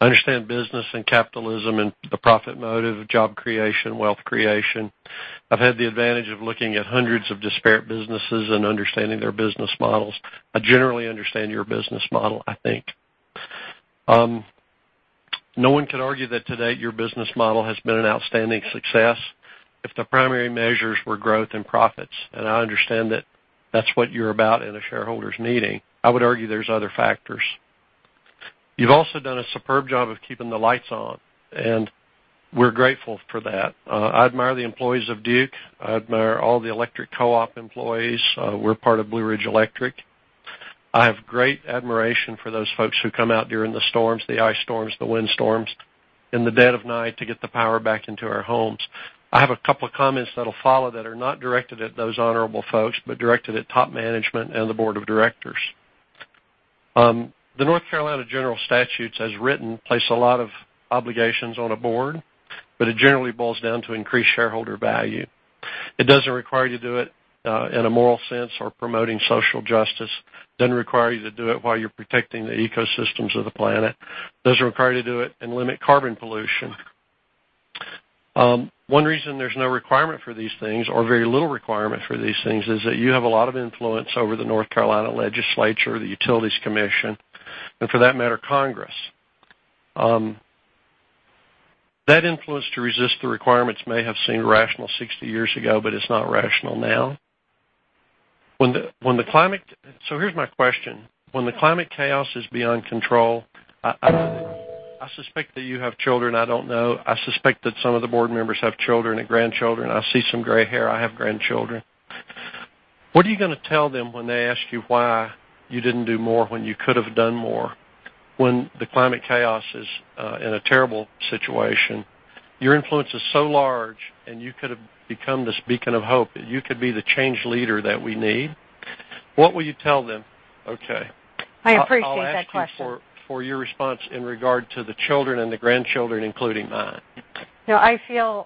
I understand business and capitalism and the profit motive of job creation, wealth creation. I've had the advantage of looking at hundreds of disparate businesses and understanding their business models. I generally understand your business model, I think. No one can argue that today your business model has been an outstanding success if the primary measures were growth and profits, and I understand that that's what you're about in a shareholders meeting. I would argue there's other factors. You've also done a superb job of keeping the lights on, and we're grateful for that. I admire the employees of Duke. I admire all the electric co-op employees. We're part of Blue Ridge Electric. I have great admiration for those folks who come out during the storms, the ice storms, the windstorms, in the dead of night to get the power back into our homes. I have a couple of comments that'll follow that are not directed at those honorable folks, but directed at top management and the board of directors. The North Carolina General Statutes, as written, place a lot of obligations on a board, but it generally boils down to increased shareholder value. It doesn't require you to do it in a moral sense or promoting social justice, doesn't require you to do it while you're protecting the ecosystems of the planet. It doesn't require you to do it and limit carbon pollution. One reason there's no requirement for these things or very little requirement for these things, is that you have a lot of influence over the North Carolina legislature, the Utilities Commission, and for that matter, Congress. That influence to resist the requirements may have seemed rational 60 years ago, but it's not rational now. Here's my question. When the climate chaos is beyond control, I suspect that you have children, I don't know. I suspect that some of the board members have children and grandchildren. I see some gray hair. I have grandchildren. What are you going to tell them when they ask you why you didn't do more when you could have done more, when the climate chaos is in a terrible situation? Your influence is so large, and you could have become this beacon of hope. You could be the change leader that we need. What will you tell them? Okay. I appreciate that question. I'll ask you for your response in regard to the children and the grandchildren, including mine. I feel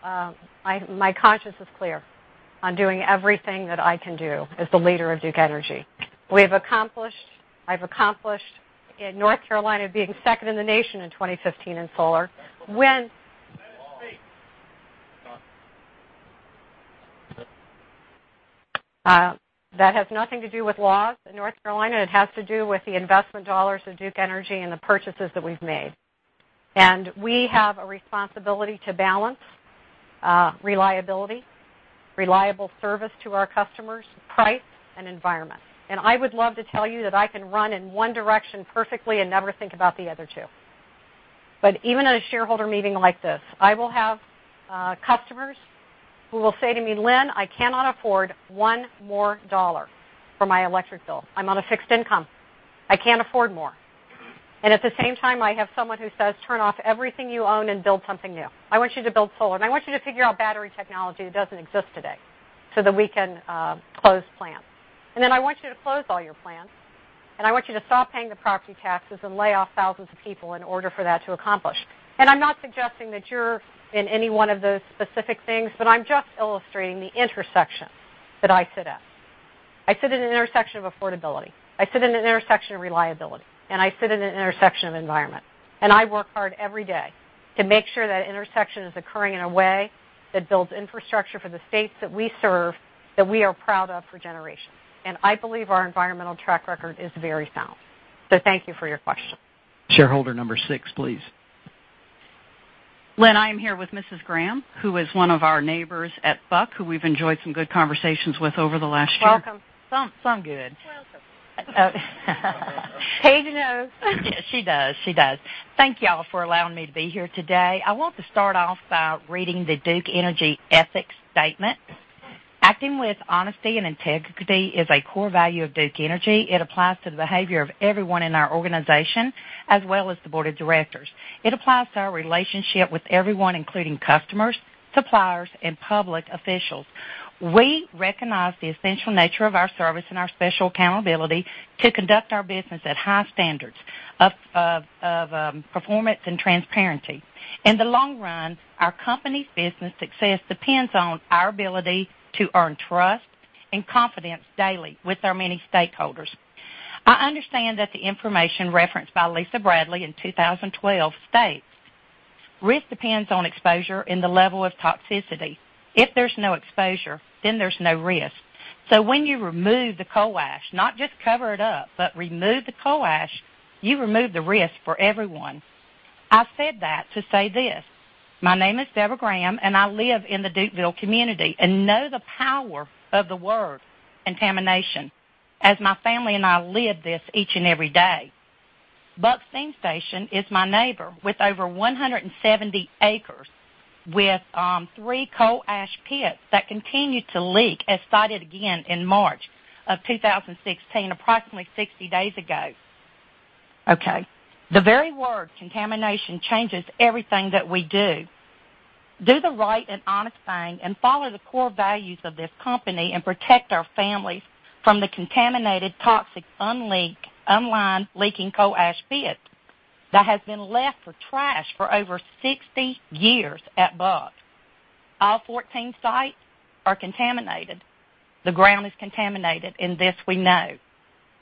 my conscience is clear on doing everything that I can do as the leader of Duke Energy. I've accomplished in North Carolina being second in the nation in 2015 in solar. That is fake. That has nothing to do with laws in North Carolina. It has to do with the investment dollars of Duke Energy and the purchases that we've made. We have a responsibility to balance reliability, reliable service to our customers, price, and environment. I would love to tell you that I can run in one direction perfectly and never think about the other two. Even at a shareholder meeting like this, I will have customers who will say to me, "Lynn, I cannot afford one more dollar for my electric bill. I'm on a fixed income. I can't afford more." At the same time, I have someone who says, "Turn off everything you own and build something new. I want you to build solar, and I want you to figure out battery technology that doesn't exist today so that we can close plants. Then I want you to close all your plants, and I want you to stop paying the property taxes and lay off thousands of people in order for that to accomplish." I'm not suggesting that you're in any one of those specific things, but I'm just illustrating the intersection that I sit at. I sit at an intersection of affordability, I sit at an intersection of reliability, and I sit at an intersection of environment. I work hard every day to make sure that intersection is occurring in a way that builds infrastructure for the states that we serve, that we are proud of for generations. I believe our environmental track record is very sound. Thank you for your question. Shareholder number 6, please. Lynn, I am here with Mrs. Graham, who is one of our neighbors at Buck, who we've enjoyed some good conversations with over the last year. Welcome. Sound good. Welcome. Paige knows. Yes, she does. Thank you all for allowing me to be here today. I want to start off by reading the Duke Energy ethics statement. Acting with honesty and integrity is a core value of Duke Energy. It applies to the behavior of everyone in our organization, as well as the board of directors. It applies to our relationship with everyone, including customers, suppliers, and public officials. We recognize the essential nature of our service and our special accountability to conduct our business at high standards of performance and transparency. In the long run, our company's business success depends on our ability to earn trust and confidence daily with our many stakeholders. I understand that the information referenced by Lisa Bradley in 2012 states risk depends on exposure and the level of toxicity. If there's no exposure, there's no risk. When you remove the coal ash, not just cover it up, but remove the coal ash, you remove the risk for everyone. I said that to say this, my name is Deborah Graham, and I live in the Dukeville community and know the power of the word contamination, as my family and I live this each and every day. Buck Steam Station is my neighbor with over 170 acres with three coal ash pits that continue to leak, as cited again in March of 2016, approximately 60 days ago. Okay. The very word contamination changes everything that we do. Do the right and honest thing and follow the core values of this company and protect our families from the contaminated, toxic, unlined, leaking coal ash pits that have been left for trash for over 60 years at Buck. All 14 sites are contaminated. The ground is contaminated, and this we know.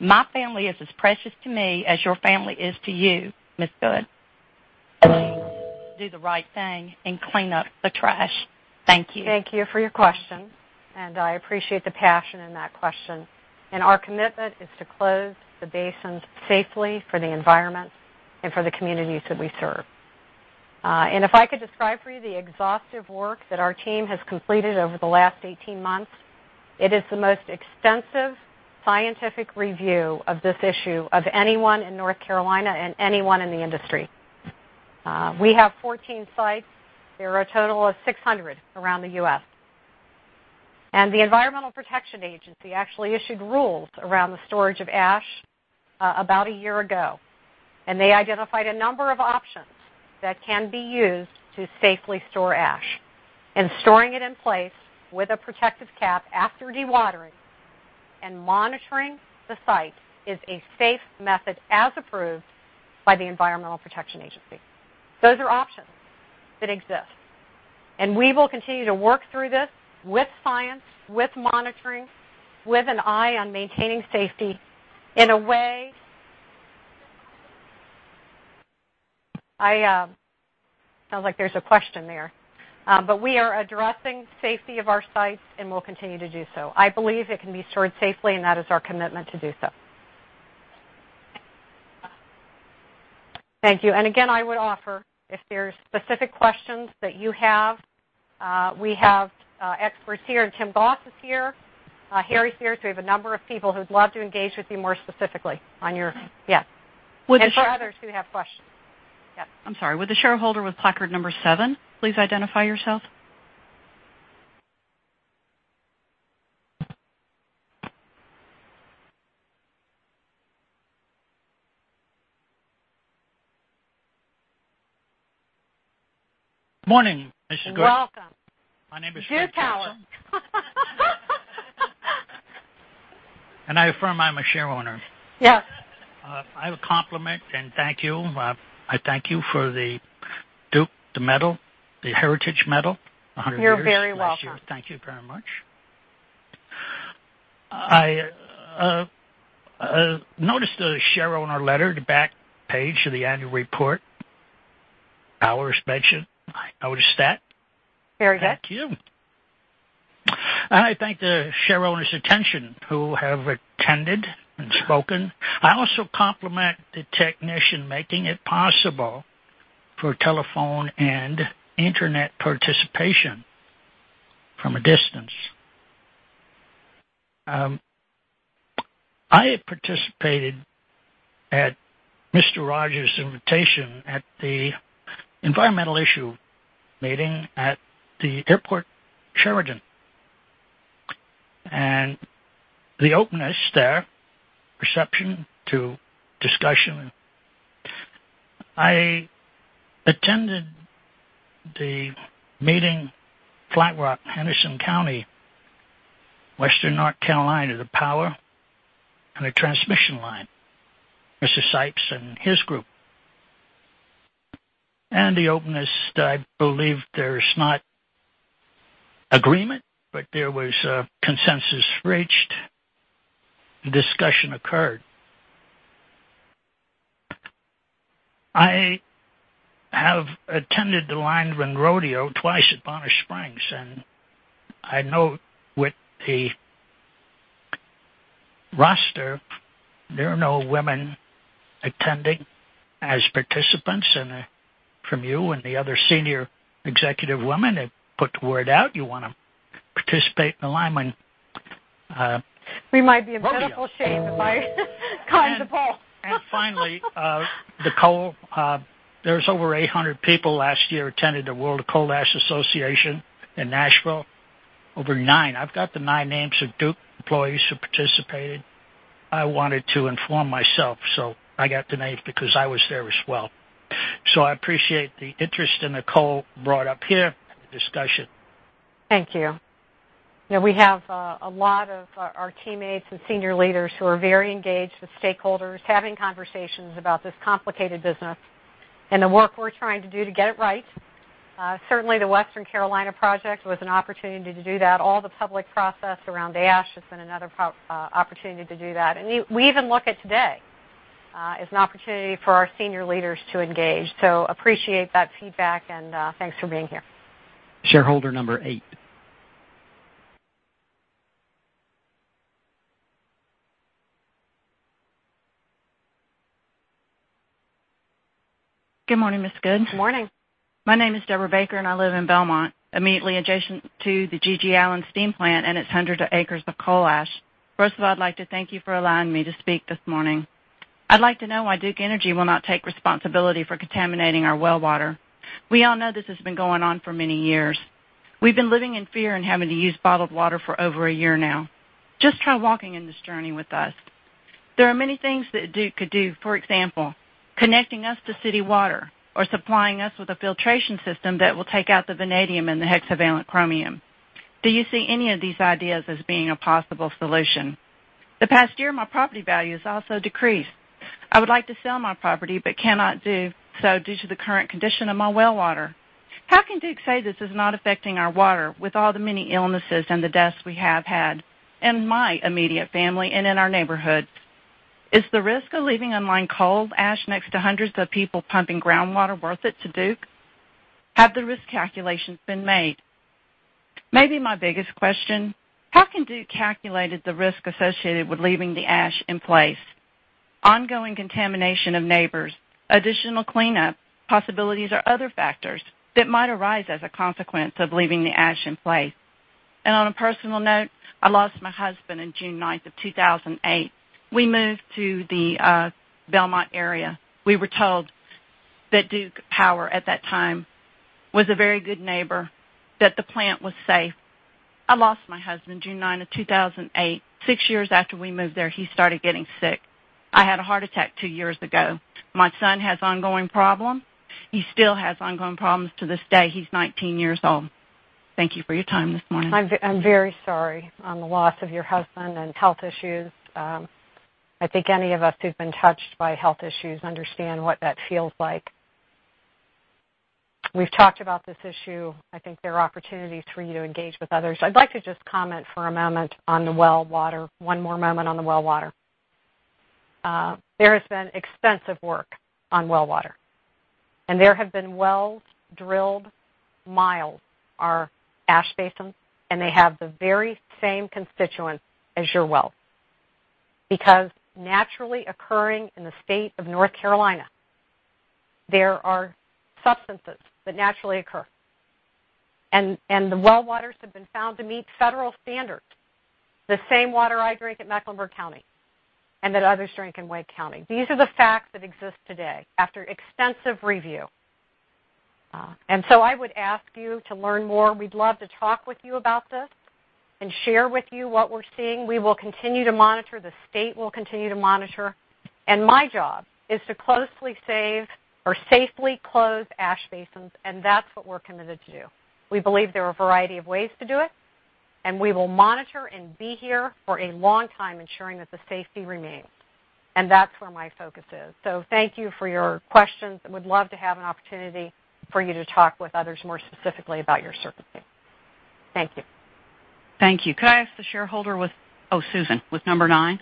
My family is as precious to me as your family is to you, Ms. Good. Please do the right thing and clean up the trash. Thank you. Thank you for your question, I appreciate the passion in that question. Our commitment is to close the basins safely for the environment and for the communities that we serve. If I could describe for you the exhaustive work that our team has completed over the last 18 months, it is the most extensive scientific review of this issue of anyone in North Carolina and anyone in the industry. We have 14 sites. There are a total of 600 around the U.S. The Environmental Protection Agency actually issued rules around the storage of ash about a year ago, and they identified a number of options that can be used to safely store ash. Storing it in place with a protective cap after dewatering and monitoring the site is a safe method, as approved by the Environmental Protection Agency. Those are options that exist. We will continue to work through this with science, with monitoring, with an eye on maintaining safety in a way. Sounds like there's a question there. We are addressing safety of our sites, and we'll continue to do so. I believe it can be stored safely. That is our commitment to do so. Thank you. Again, I would offer, if there's specific questions that you have, we have experts here, and Tim Goff is here. Harry's here. We have a number of people who'd love to engage with you more specifically. Yes. Would the- For others who have questions. Yes. I'm sorry. Would the shareholder with placard number seven please identify yourself? Morning, Mrs. Good. Welcome. My name is. You're talented. I affirm I'm a shareowner. Yes. I have a compliment and thank you. I thank you for the Duke, the medal, the Heritage medal. You're very welcome. Last year. Thank you very much. I noticed a shareowner letter at the back page of the annual report, ours mentioned. I noticed that. Very good. Thank you. I thank the shareowners in attendance who have attended and spoken. I also compliment the technician making it possible for telephone and internet participation from a distance. I had participated, at Mr. Rogers' invitation, at the environmental issue meeting at the airport, Sheraton, and the openness there, reception to discussion. I attended the meeting, Flat Rock, Henderson County, Western North Carolina, the power and the transmission line, Mr. Sipes and his group. The openness that I believe there's not agreement, but there was a consensus reached. Discussion occurred. I have attended the Lineman's Rodeo twice at Bonner Springs, and I note with a roster there are no women attending as participants, and from you and the other senior executive women that put the word out, you want to participate in the Lineman- We might be a physical shape that might climb the pole. Finally, the coal, there was over 800 people last year attended the World of Coal Ash in Nashville. Over nine. I've got the nine names of Duke employees who participated. I wanted to inform myself, so I got the names because I was there as well. I appreciate the interest in the coal brought up here in the discussion. Thank you. We have a lot of our teammates and senior leaders who are very engaged with stakeholders, having conversations about this complicated business and the work we're trying to do to get it right. Certainly, the Western Carolina project was an opportunity to do that. All the public process around ash has been another opportunity to do that. We even look at today as an opportunity for our senior leaders to engage. Appreciate that feedback and thanks for being here. Shareholder number 8. Good morning, Ms. Good. Good morning. My name is Deborah Baker, and I live in Belmont, immediately adjacent to the G.G. Allen Steam Station and its hundreds of acres of coal ash. First of all, I'd like to thank you for allowing me to speak this morning. I'd like to know why Duke Energy will not take responsibility for contaminating our well water. We all know this has been going on for many years. We've been living in fear and having to use bottled water for over a year now. Just try walking in this journey with us. There are many things that Duke could do, for example, connecting us to city water or supplying us with a filtration system that will take out the vanadium and the hexavalent chromium. Do you see any of these ideas as being a possible solution? The past year, my property value has also decreased. I would like to sell my property but cannot do so due to the current condition of my well water. How can Duke say this is not affecting our water with all the many illnesses and the deaths we have had in my immediate family and in our neighborhood? Is the risk of leaving unlined coal ash next to hundreds of people pumping groundwater worth it to Duke? Have the risk calculations been made? Maybe my biggest question: how can Duke calculate the risk associated with leaving the ash in place, ongoing contamination of neighbors, additional cleanup possibilities, or other factors that might arise as a consequence of leaving the ash in place? On a personal note, I lost my husband in June 9th of 2008. We moved to the Belmont area. We were told that Duke Power at that time was a very good neighbor, that the plant was safe. I lost my husband June 9th of 2008. Six years after we moved there, he started getting sick. I had a heart attack two years ago. My son has ongoing problems. He still has ongoing problems to this day. He's 19 years old. Thank you for your time this morning. I'm very sorry on the loss of your husband and health issues. I think any of us who've been touched by health issues understand what that feels like. We've talked about this issue. I think there are opportunities for you to engage with others. I'd like to just comment for a moment on the well water. One more moment on the well water. There has been extensive work on well water, and there have been wells drilled miles our ash basins, and they have the very same constituents as your well, because naturally occurring in the state of North Carolina, there are substances that naturally occur. The well waters have been found to meet federal standards. The same water I drink at Mecklenburg County and that others drink in Wake County. These are the facts that exist today after extensive review. I would ask you to learn more. We'd love to talk with you about this and share with you what we're seeing. We will continue to monitor. The state will continue to monitor. My job is to safely close ash basins, and that's what we're committed to do. We believe there are a variety of ways to do it, and we will monitor and be here for a long time ensuring that the safety remains. That's where my focus is. Thank you for your questions, and would love to have an opportunity for you to talk with others more specifically about your circumstance. Thank you. Thank you. Could I ask the shareholder Oh, Susan, with number nine?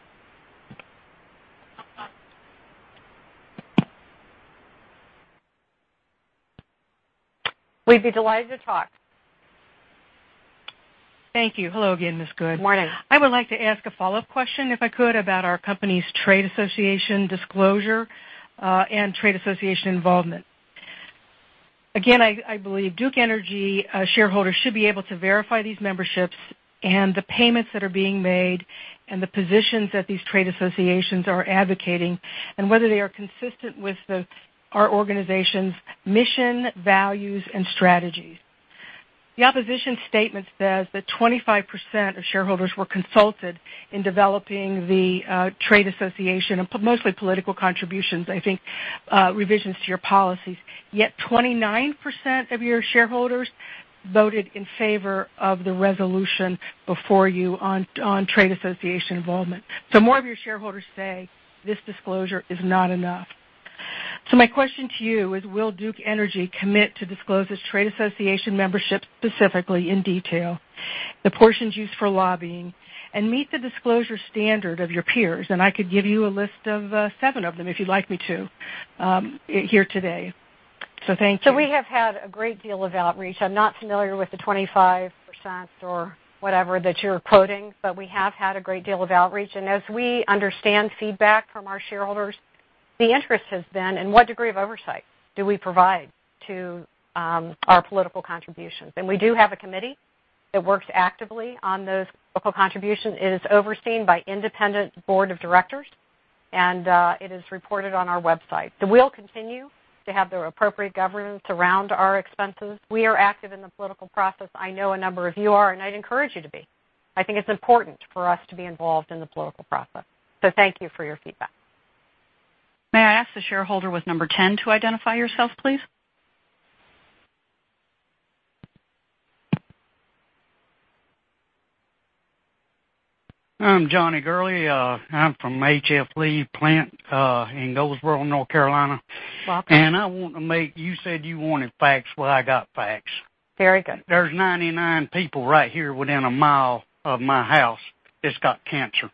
We'd be delighted to talk. Thank you. Hello again, Ms. Good. Good morning. I would like to ask a follow-up question, if I could, about our company's trade association disclosure, and trade association involvement. Again, I believe Duke Energy shareholders should be able to verify these memberships and the payments that are being made and the positions that these trade associations are advocating and whether they are consistent with our organization's mission, values, and strategies. The opposition statement says that 25% of shareholders were consulted in developing the trade association, mostly political contributions, I think, revisions to your policies. Yet 29% of your shareholders voted in favor of the resolution before you on trade association involvement. More of your shareholders say this disclosure is not enough. My question to you is, will Duke Energy commit to disclose its trade association membership specifically in detail, the portions used for lobbying, and meet the disclosure standard of your peers? I could give you a list of seven of them if you'd like me to here today. Thank you. We have had a great deal of outreach. I'm not familiar with the 25% or whatever that you're quoting, but we have had a great deal of outreach. As we understand feedback from our shareholders, the interest has been in what degree of oversight do we provide to our political contributions. We do have a committee that works actively on those political contributions. It is overseen by independent board of directors, and it is reported on our website. We'll continue to have the appropriate governance around our expenses. We are active in the political process. I know a number of you are, and I'd encourage you to be. I think it's important for us to be involved in the political process. Thank you for your feedback. May I ask the shareholder with number 10 to identify yourself, please? I'm Johnny Gurley. I'm from H.F. Lee Plant in Goldsboro, North Carolina. Welcome. You said you wanted facts. Well, I got facts. Very good. There's 99 people right here within a mile of my house that's got cancer.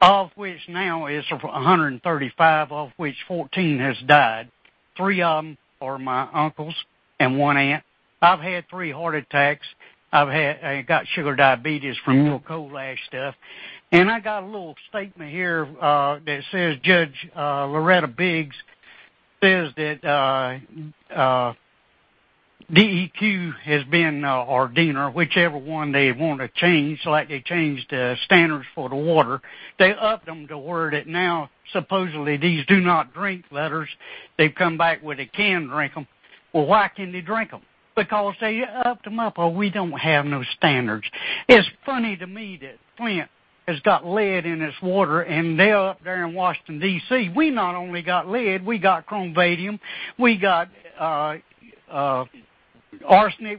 Of which now is 135, of which 14 has died. Three of them are my uncles and one aunt. I've had three heart attacks. I've got sugar diabetes from your coal ash stuff. I got a little statement here that says Judge Loretta Biggs says that DEQ has been, or DENR, whichever one they want to change, like they changed the standards for the water. They upped them to where that now supposedly these "do not drink" letters, they've come back where they can drink them. Well, why can they drink them? Because they upped them up. Oh, we don't have no standards. It's funny to me that Flint has got lead in its water, and they're up there in Washington, D.C. We not only got lead, we got chromium, we got arsenic.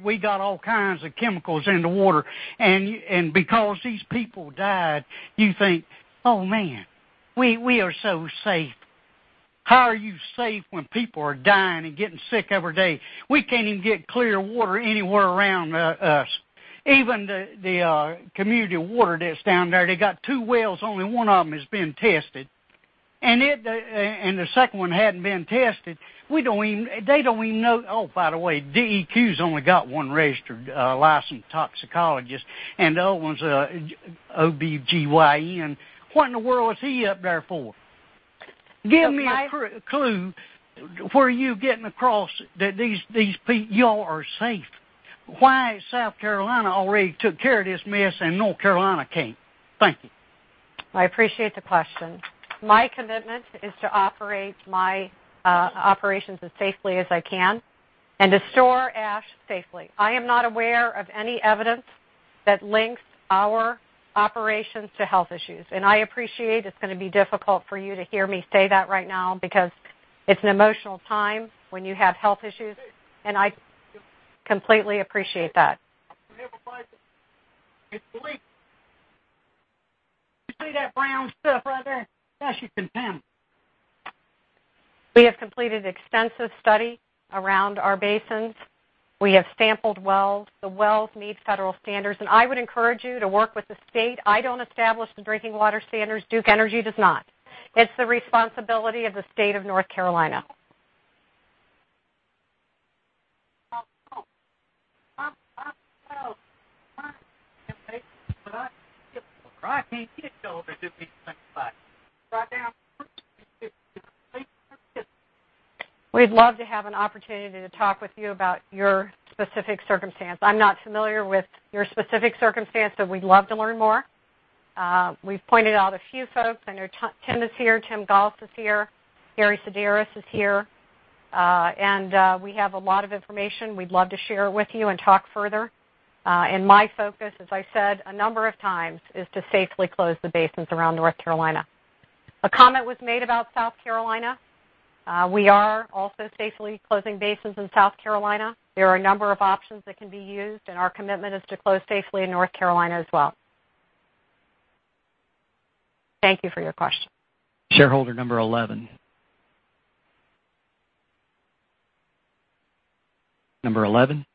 We got all kinds of chemicals in the water. Because these people died, you think, "Oh, man. We are so safe." How are you safe when people are dying and getting sick every day? We can't even get clear water anywhere around us. Even the community water that's down there, they got two wells. Only one of them has been tested. The second one hadn't been tested. Oh, by the way, DEQ's only got one registered licensed toxicologist, and the other one's an OBGYN. What in the world is he up there for? Okay. Give me a clue where you're getting across that y'all are safe. Why South Carolina already took care of this mess and North Carolina can't. Thank you. I appreciate the question. My commitment is to operate my operations as safely as I can and to store ash safely. I am not aware of any evidence that links our operations to health issues. I appreciate it's going to be difficult for you to hear me say that right now, because it's an emotional time when you have health issues, and I completely appreciate that. We have a basin. It's leaking. You see that brown stuff right there? That's your contaminant. We have completed extensive study around our basins. We have sampled wells. The wells meet federal standards. I would encourage you to work with the state. I don't establish the drinking water standards. Duke Energy does not. It's the responsibility of the State of North Carolina. We'd love to have an opportunity to talk with you about your specific circumstance. I'm not familiar with your specific circumstance, but we'd love to learn more. We've pointed out a few folks. I know Tim is here. Tim Goff is here. Harry Sideris is here. We have a lot of information we'd love to share with you and talk further. My focus, as I said a number of times, is to safely close the basins around North Carolina. A comment was made about South Carolina. We are also safely closing basins in South Carolina. There are a number of options that can be used. Our commitment is to close safely in North Carolina as well. Thank you for your question. Shareholder number 11. Number 11?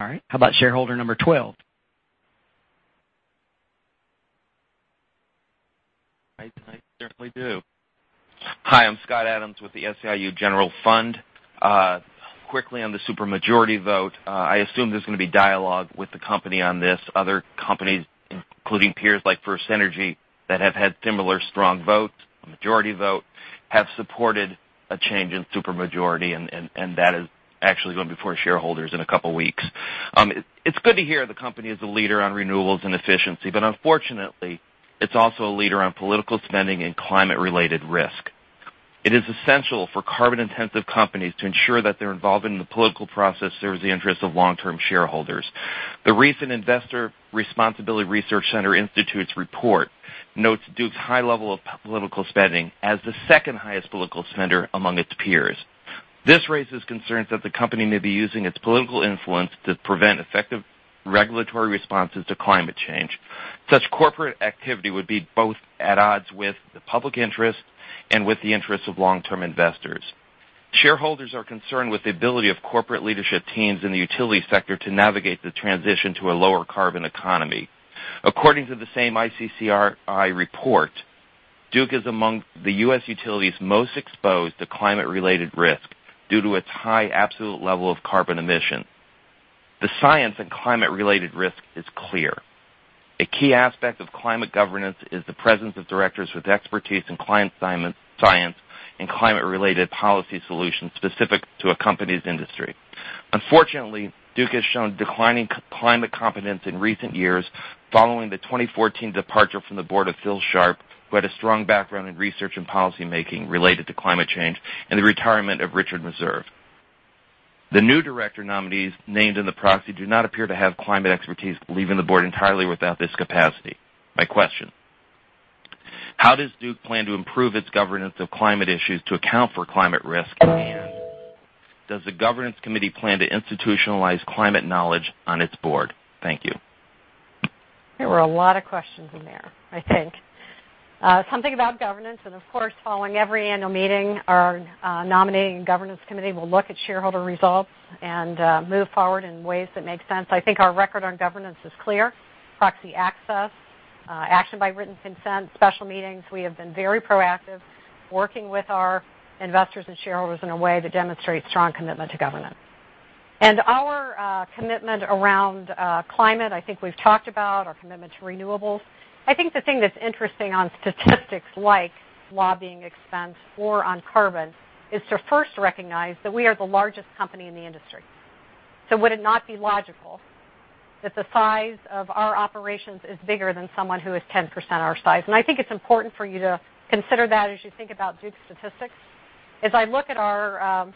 All right, how about shareholder number 12? I certainly do. Hi, I'm Scott Adams with the SEIU General Fund. Quickly on the super majority vote, I assume there's going to be dialogue with the company on this. Other companies, including peers like FirstEnergy, that have had similar strong votes, a majority vote, have supported a change in super majority. That is actually going before shareholders in a couple of weeks. It's good to hear the company is a leader on renewables and efficiency. Unfortunately, it's also a leader on political spending and climate-related risk. It is essential for carbon-intensive companies to ensure that their involvement in the political process serves the interests of long-term shareholders. The recent Investor Responsibility Research Center Institute's report notes Duke's high level of political spending as the second-highest political spender among its peers. This raises concerns that the company may be using its political influence to prevent effective regulatory responses to climate change. Such corporate activity would be both at odds with the public interest and with the interests of long-term investors. Shareholders are concerned with the ability of corporate leadership teams in the utility sector to navigate the transition to a lower carbon economy. According to the same ICCRI report, Duke is among the U.S. utilities most exposed to climate-related risk due to its high absolute level of carbon emission. The science in climate-related risk is clear. A key aspect of climate governance is the presence of directors with expertise in climate science and climate-related policy solutions specific to a company's industry. Unfortunately, Duke has shown declining climate competence in recent years following the 2014 departure from the board of Phil Sharp, who had a strong background in research and policymaking related to climate change, and the retirement of Richard Meserve. The new director nominees named in the proxy do not appear to have climate expertise, leaving the board entirely without this capacity. My question: How does Duke plan to improve its governance of climate issues to account for climate risk in the end? Does the governance committee plan to institutionalize climate knowledge on its board? Thank you. There were a lot of questions in there, I think. Something about governance. Of course, following every annual meeting, our nominating governance committee will look at shareholder results and move forward in ways that make sense. I think our record on governance is clear. Proxy access Action by written consent, special meetings. We have been very proactive, working with our investors and shareholders in a way that demonstrates strong commitment to governance. Our commitment around climate, I think we've talked about our commitment to renewables. I think the thing that's interesting on statistics like lobbying expense or on carbon is to first recognize that we are the largest company in the industry. Would it not be logical that the size of our operations is bigger than someone who is 10% our size? I think it's important for you to consider that as you think about Duke statistics. As I look at our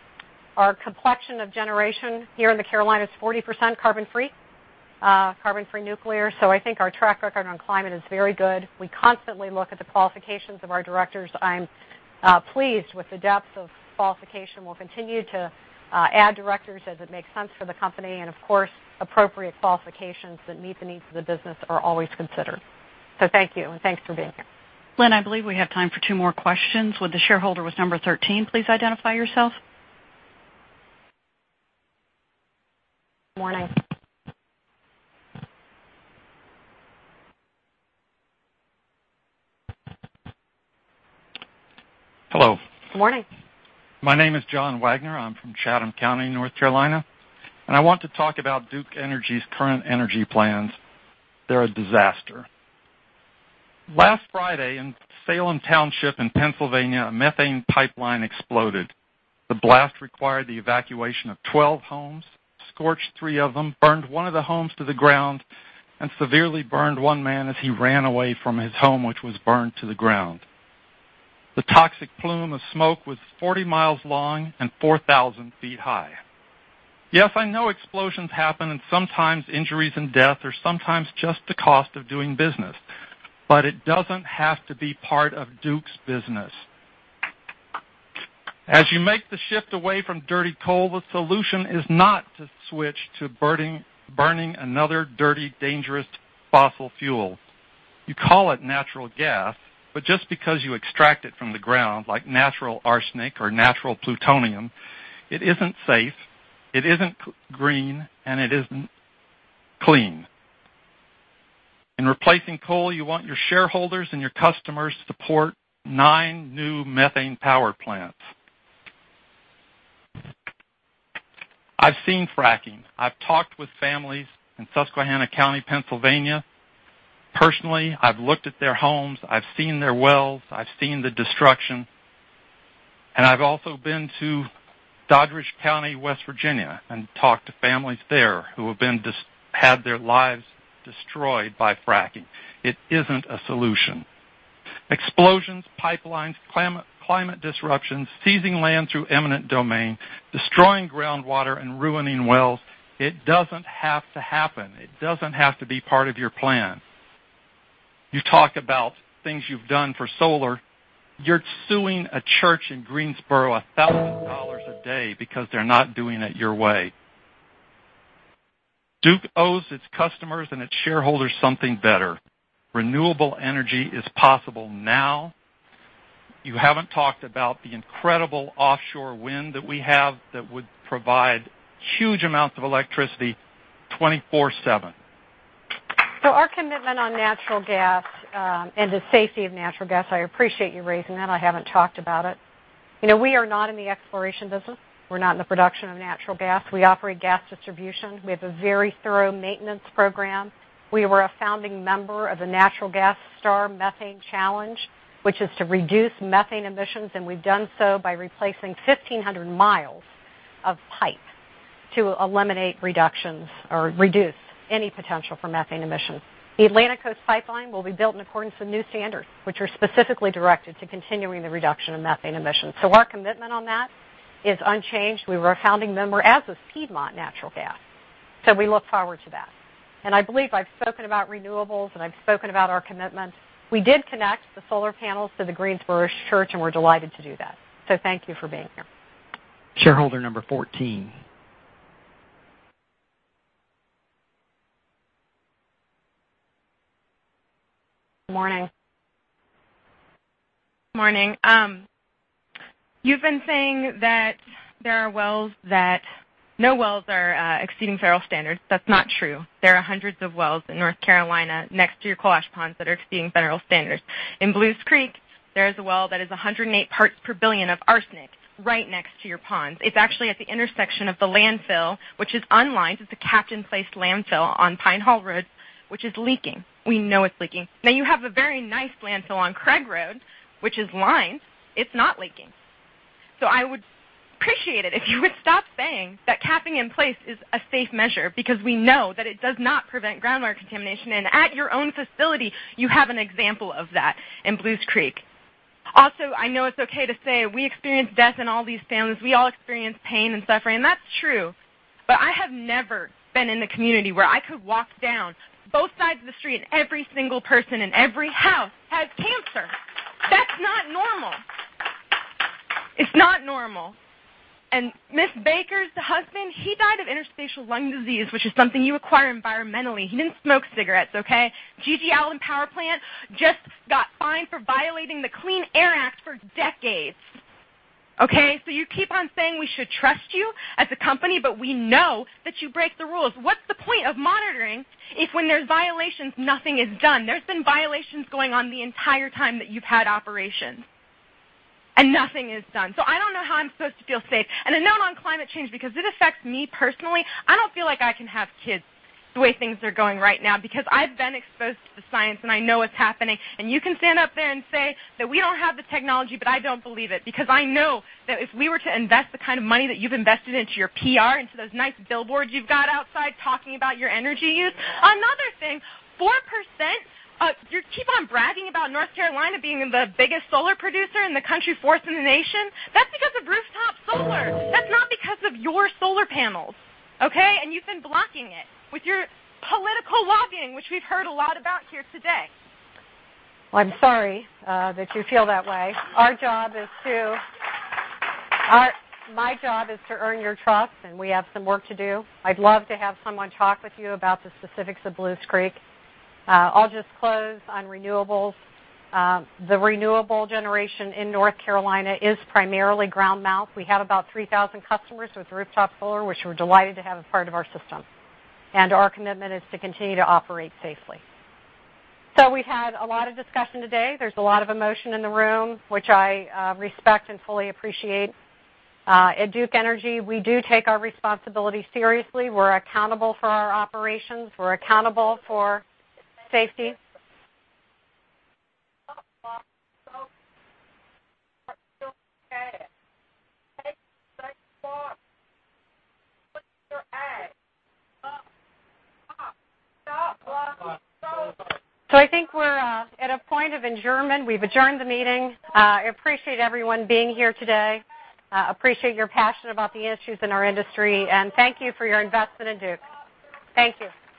complexion of generation here in the Carolinas, 40% carbon-free, carbon-free nuclear. I think our track record on climate is very good. We constantly look at the qualifications of our directors. I'm pleased with the depth of qualification. We'll continue to add directors as it makes sense for the company and, of course, appropriate qualifications that meet the needs of the business are always considered. Thank you, and thanks for being here. Lynn, I believe we have time for two more questions. Would the shareholder with number 13 please identify yourself? Morning. Hello. Morning. My name is John Wagner. I'm from Chatham County, North Carolina, and I want to talk about Duke Energy's current energy plans. They're a disaster. Last Friday in Salem Township in Pennsylvania, a methane pipeline exploded. The blast required the evacuation of 12 homes, scorched three of them, burned one of the homes to the ground, and severely burned one man as he ran away from his home, which was burned to the ground. The toxic plume of smoke was 40 miles long and 4,000 feet high. Yes, I know explosions happen and sometimes injuries and death are sometimes just the cost of doing business, but it doesn't have to be part of Duke's business. As you make the shift away from dirty coal, the solution is not to switch to burning another dirty, dangerous fossil fuel. You call it natural gas, but just because you extract it from the ground, like natural arsenic or natural plutonium, it isn't safe, it isn't green, and it isn't clean. In replacing coal, you want your shareholders and your customers to support nine new methane power plants. I've seen fracking. I've talked with families in Susquehanna County, Pennsylvania, personally. I've looked at their homes. I've seen their wells. I've seen the destruction. I've also been to Doddridge County, West Virginia, and talked to families there who have had their lives destroyed by fracking. It isn't a solution. Explosions, pipelines, climate disruption, seizing land through eminent domain, destroying groundwater, and ruining wells, it doesn't have to happen. It doesn't have to be part of your plan. You talk about things you've done for solar. You're suing a church in Greensboro $1,000 a day because they're not doing it your way. Duke owes its customers and its shareholders something better. Renewable energy is possible now. You haven't talked about the incredible offshore wind that we have that would provide huge amounts of electricity 24/7. Our commitment on natural gas and the safety of natural gas, I appreciate you raising that. I haven't talked about it. We are not in the exploration business. We're not in the production of natural gas. We operate gas distribution. We have a very thorough maintenance program. We were a founding member of the Natural Gas STAR Methane Challenge, which is to reduce methane emissions, and we've done so by replacing 1,500 miles of pipe to eliminate reductions or reduce any potential for methane emissions. The Atlantic Coast Pipeline will be built in accordance with new standards, which are specifically directed to continuing the reduction in methane emissions. Our commitment on that is unchanged. We were a founding member, as was Piedmont Natural Gas. We look forward to that. I believe I've spoken about renewables, and I've spoken about our commitment. We did connect the solar panels to the Greensboro church, and we're delighted to do that. Thank you for being here. Shareholder number 14. Morning. Morning. You've been saying that no wells are exceeding federal standards. That's not true. There are hundreds of wells in North Carolina next to your coal ash ponds that are exceeding federal standards. In Belews Creek, there is a well that is 108 parts per billion of arsenic right next to your ponds. It's actually at the intersection of the landfill, which is unlined. It's a cap-in-place landfill on Pine Hall Road, which is leaking. We know it's leaking. You have a very nice landfill on Craig Road, which is lined. It's not leaking. I would appreciate it if you would stop saying that capping in place is a safe measure because we know that it does not prevent groundwater contamination. At your own facility, you have an example of that in Belews Creek. Also, I know it's okay to say we experience death in all these families. We all experience pain and suffering, and that's true. I have never been in a community where I could walk down both sides of the street and every single person in every house has cancer. That's not normal. It's not normal. Ms. Baker's husband, he died of interstitial lung disease, which is something you acquire environmentally. He didn't smoke cigarettes, okay? G.G. Allen Power Plant Clean Air Act for decades. Okay? You keep on saying we should trust you as a company, we know that you break the rules. What's the point of monitoring if when there's violations, nothing is done? There's been violations going on the entire time that you've had operations. Nothing is done. I don't know how I'm supposed to feel safe. A note on climate change, because it affects me personally. I don't feel like I can have kids the way things are going right now, because I've been exposed to the science, and I know what's happening. You can stand up there and say that we don't have the technology, but I don't believe it, because I know that if we were to invest the kind of money that you've invested into your PR, into those nice billboards you've got outside talking about your energy use. Another thing, 4%? You keep on bragging about North Carolina being the biggest solar producer in the country, fourth in the nation. That's because of rooftop solar. That's not because of your solar panels, okay? You've been blocking it with your political lobbying, which we've heard a lot about here today. Well, I'm sorry that you feel that way. My job is to earn your trust, and we have some work to do. I'd love to have someone talk with you about the specifics of Belews Creek. I'll just close on renewables. The renewable generation in North Carolina is primarily ground-mount. We have about 3,000 customers with rooftop solar, which we're delighted to have as part of our system. Our commitment is to continue to operate safely. We've had a lot of discussion today. There's a lot of emotion in the room, which I respect and fully appreciate. At Duke Energy, we do take our responsibility seriously. We're accountable for our operations. We're accountable for safety. Stop blocking solar. I think we're at a point of adjournment. We've adjourned the meeting. I appreciate everyone being here today. I appreciate your passion about the issues in our industry, and thank you for your investment in Duke. Thank you.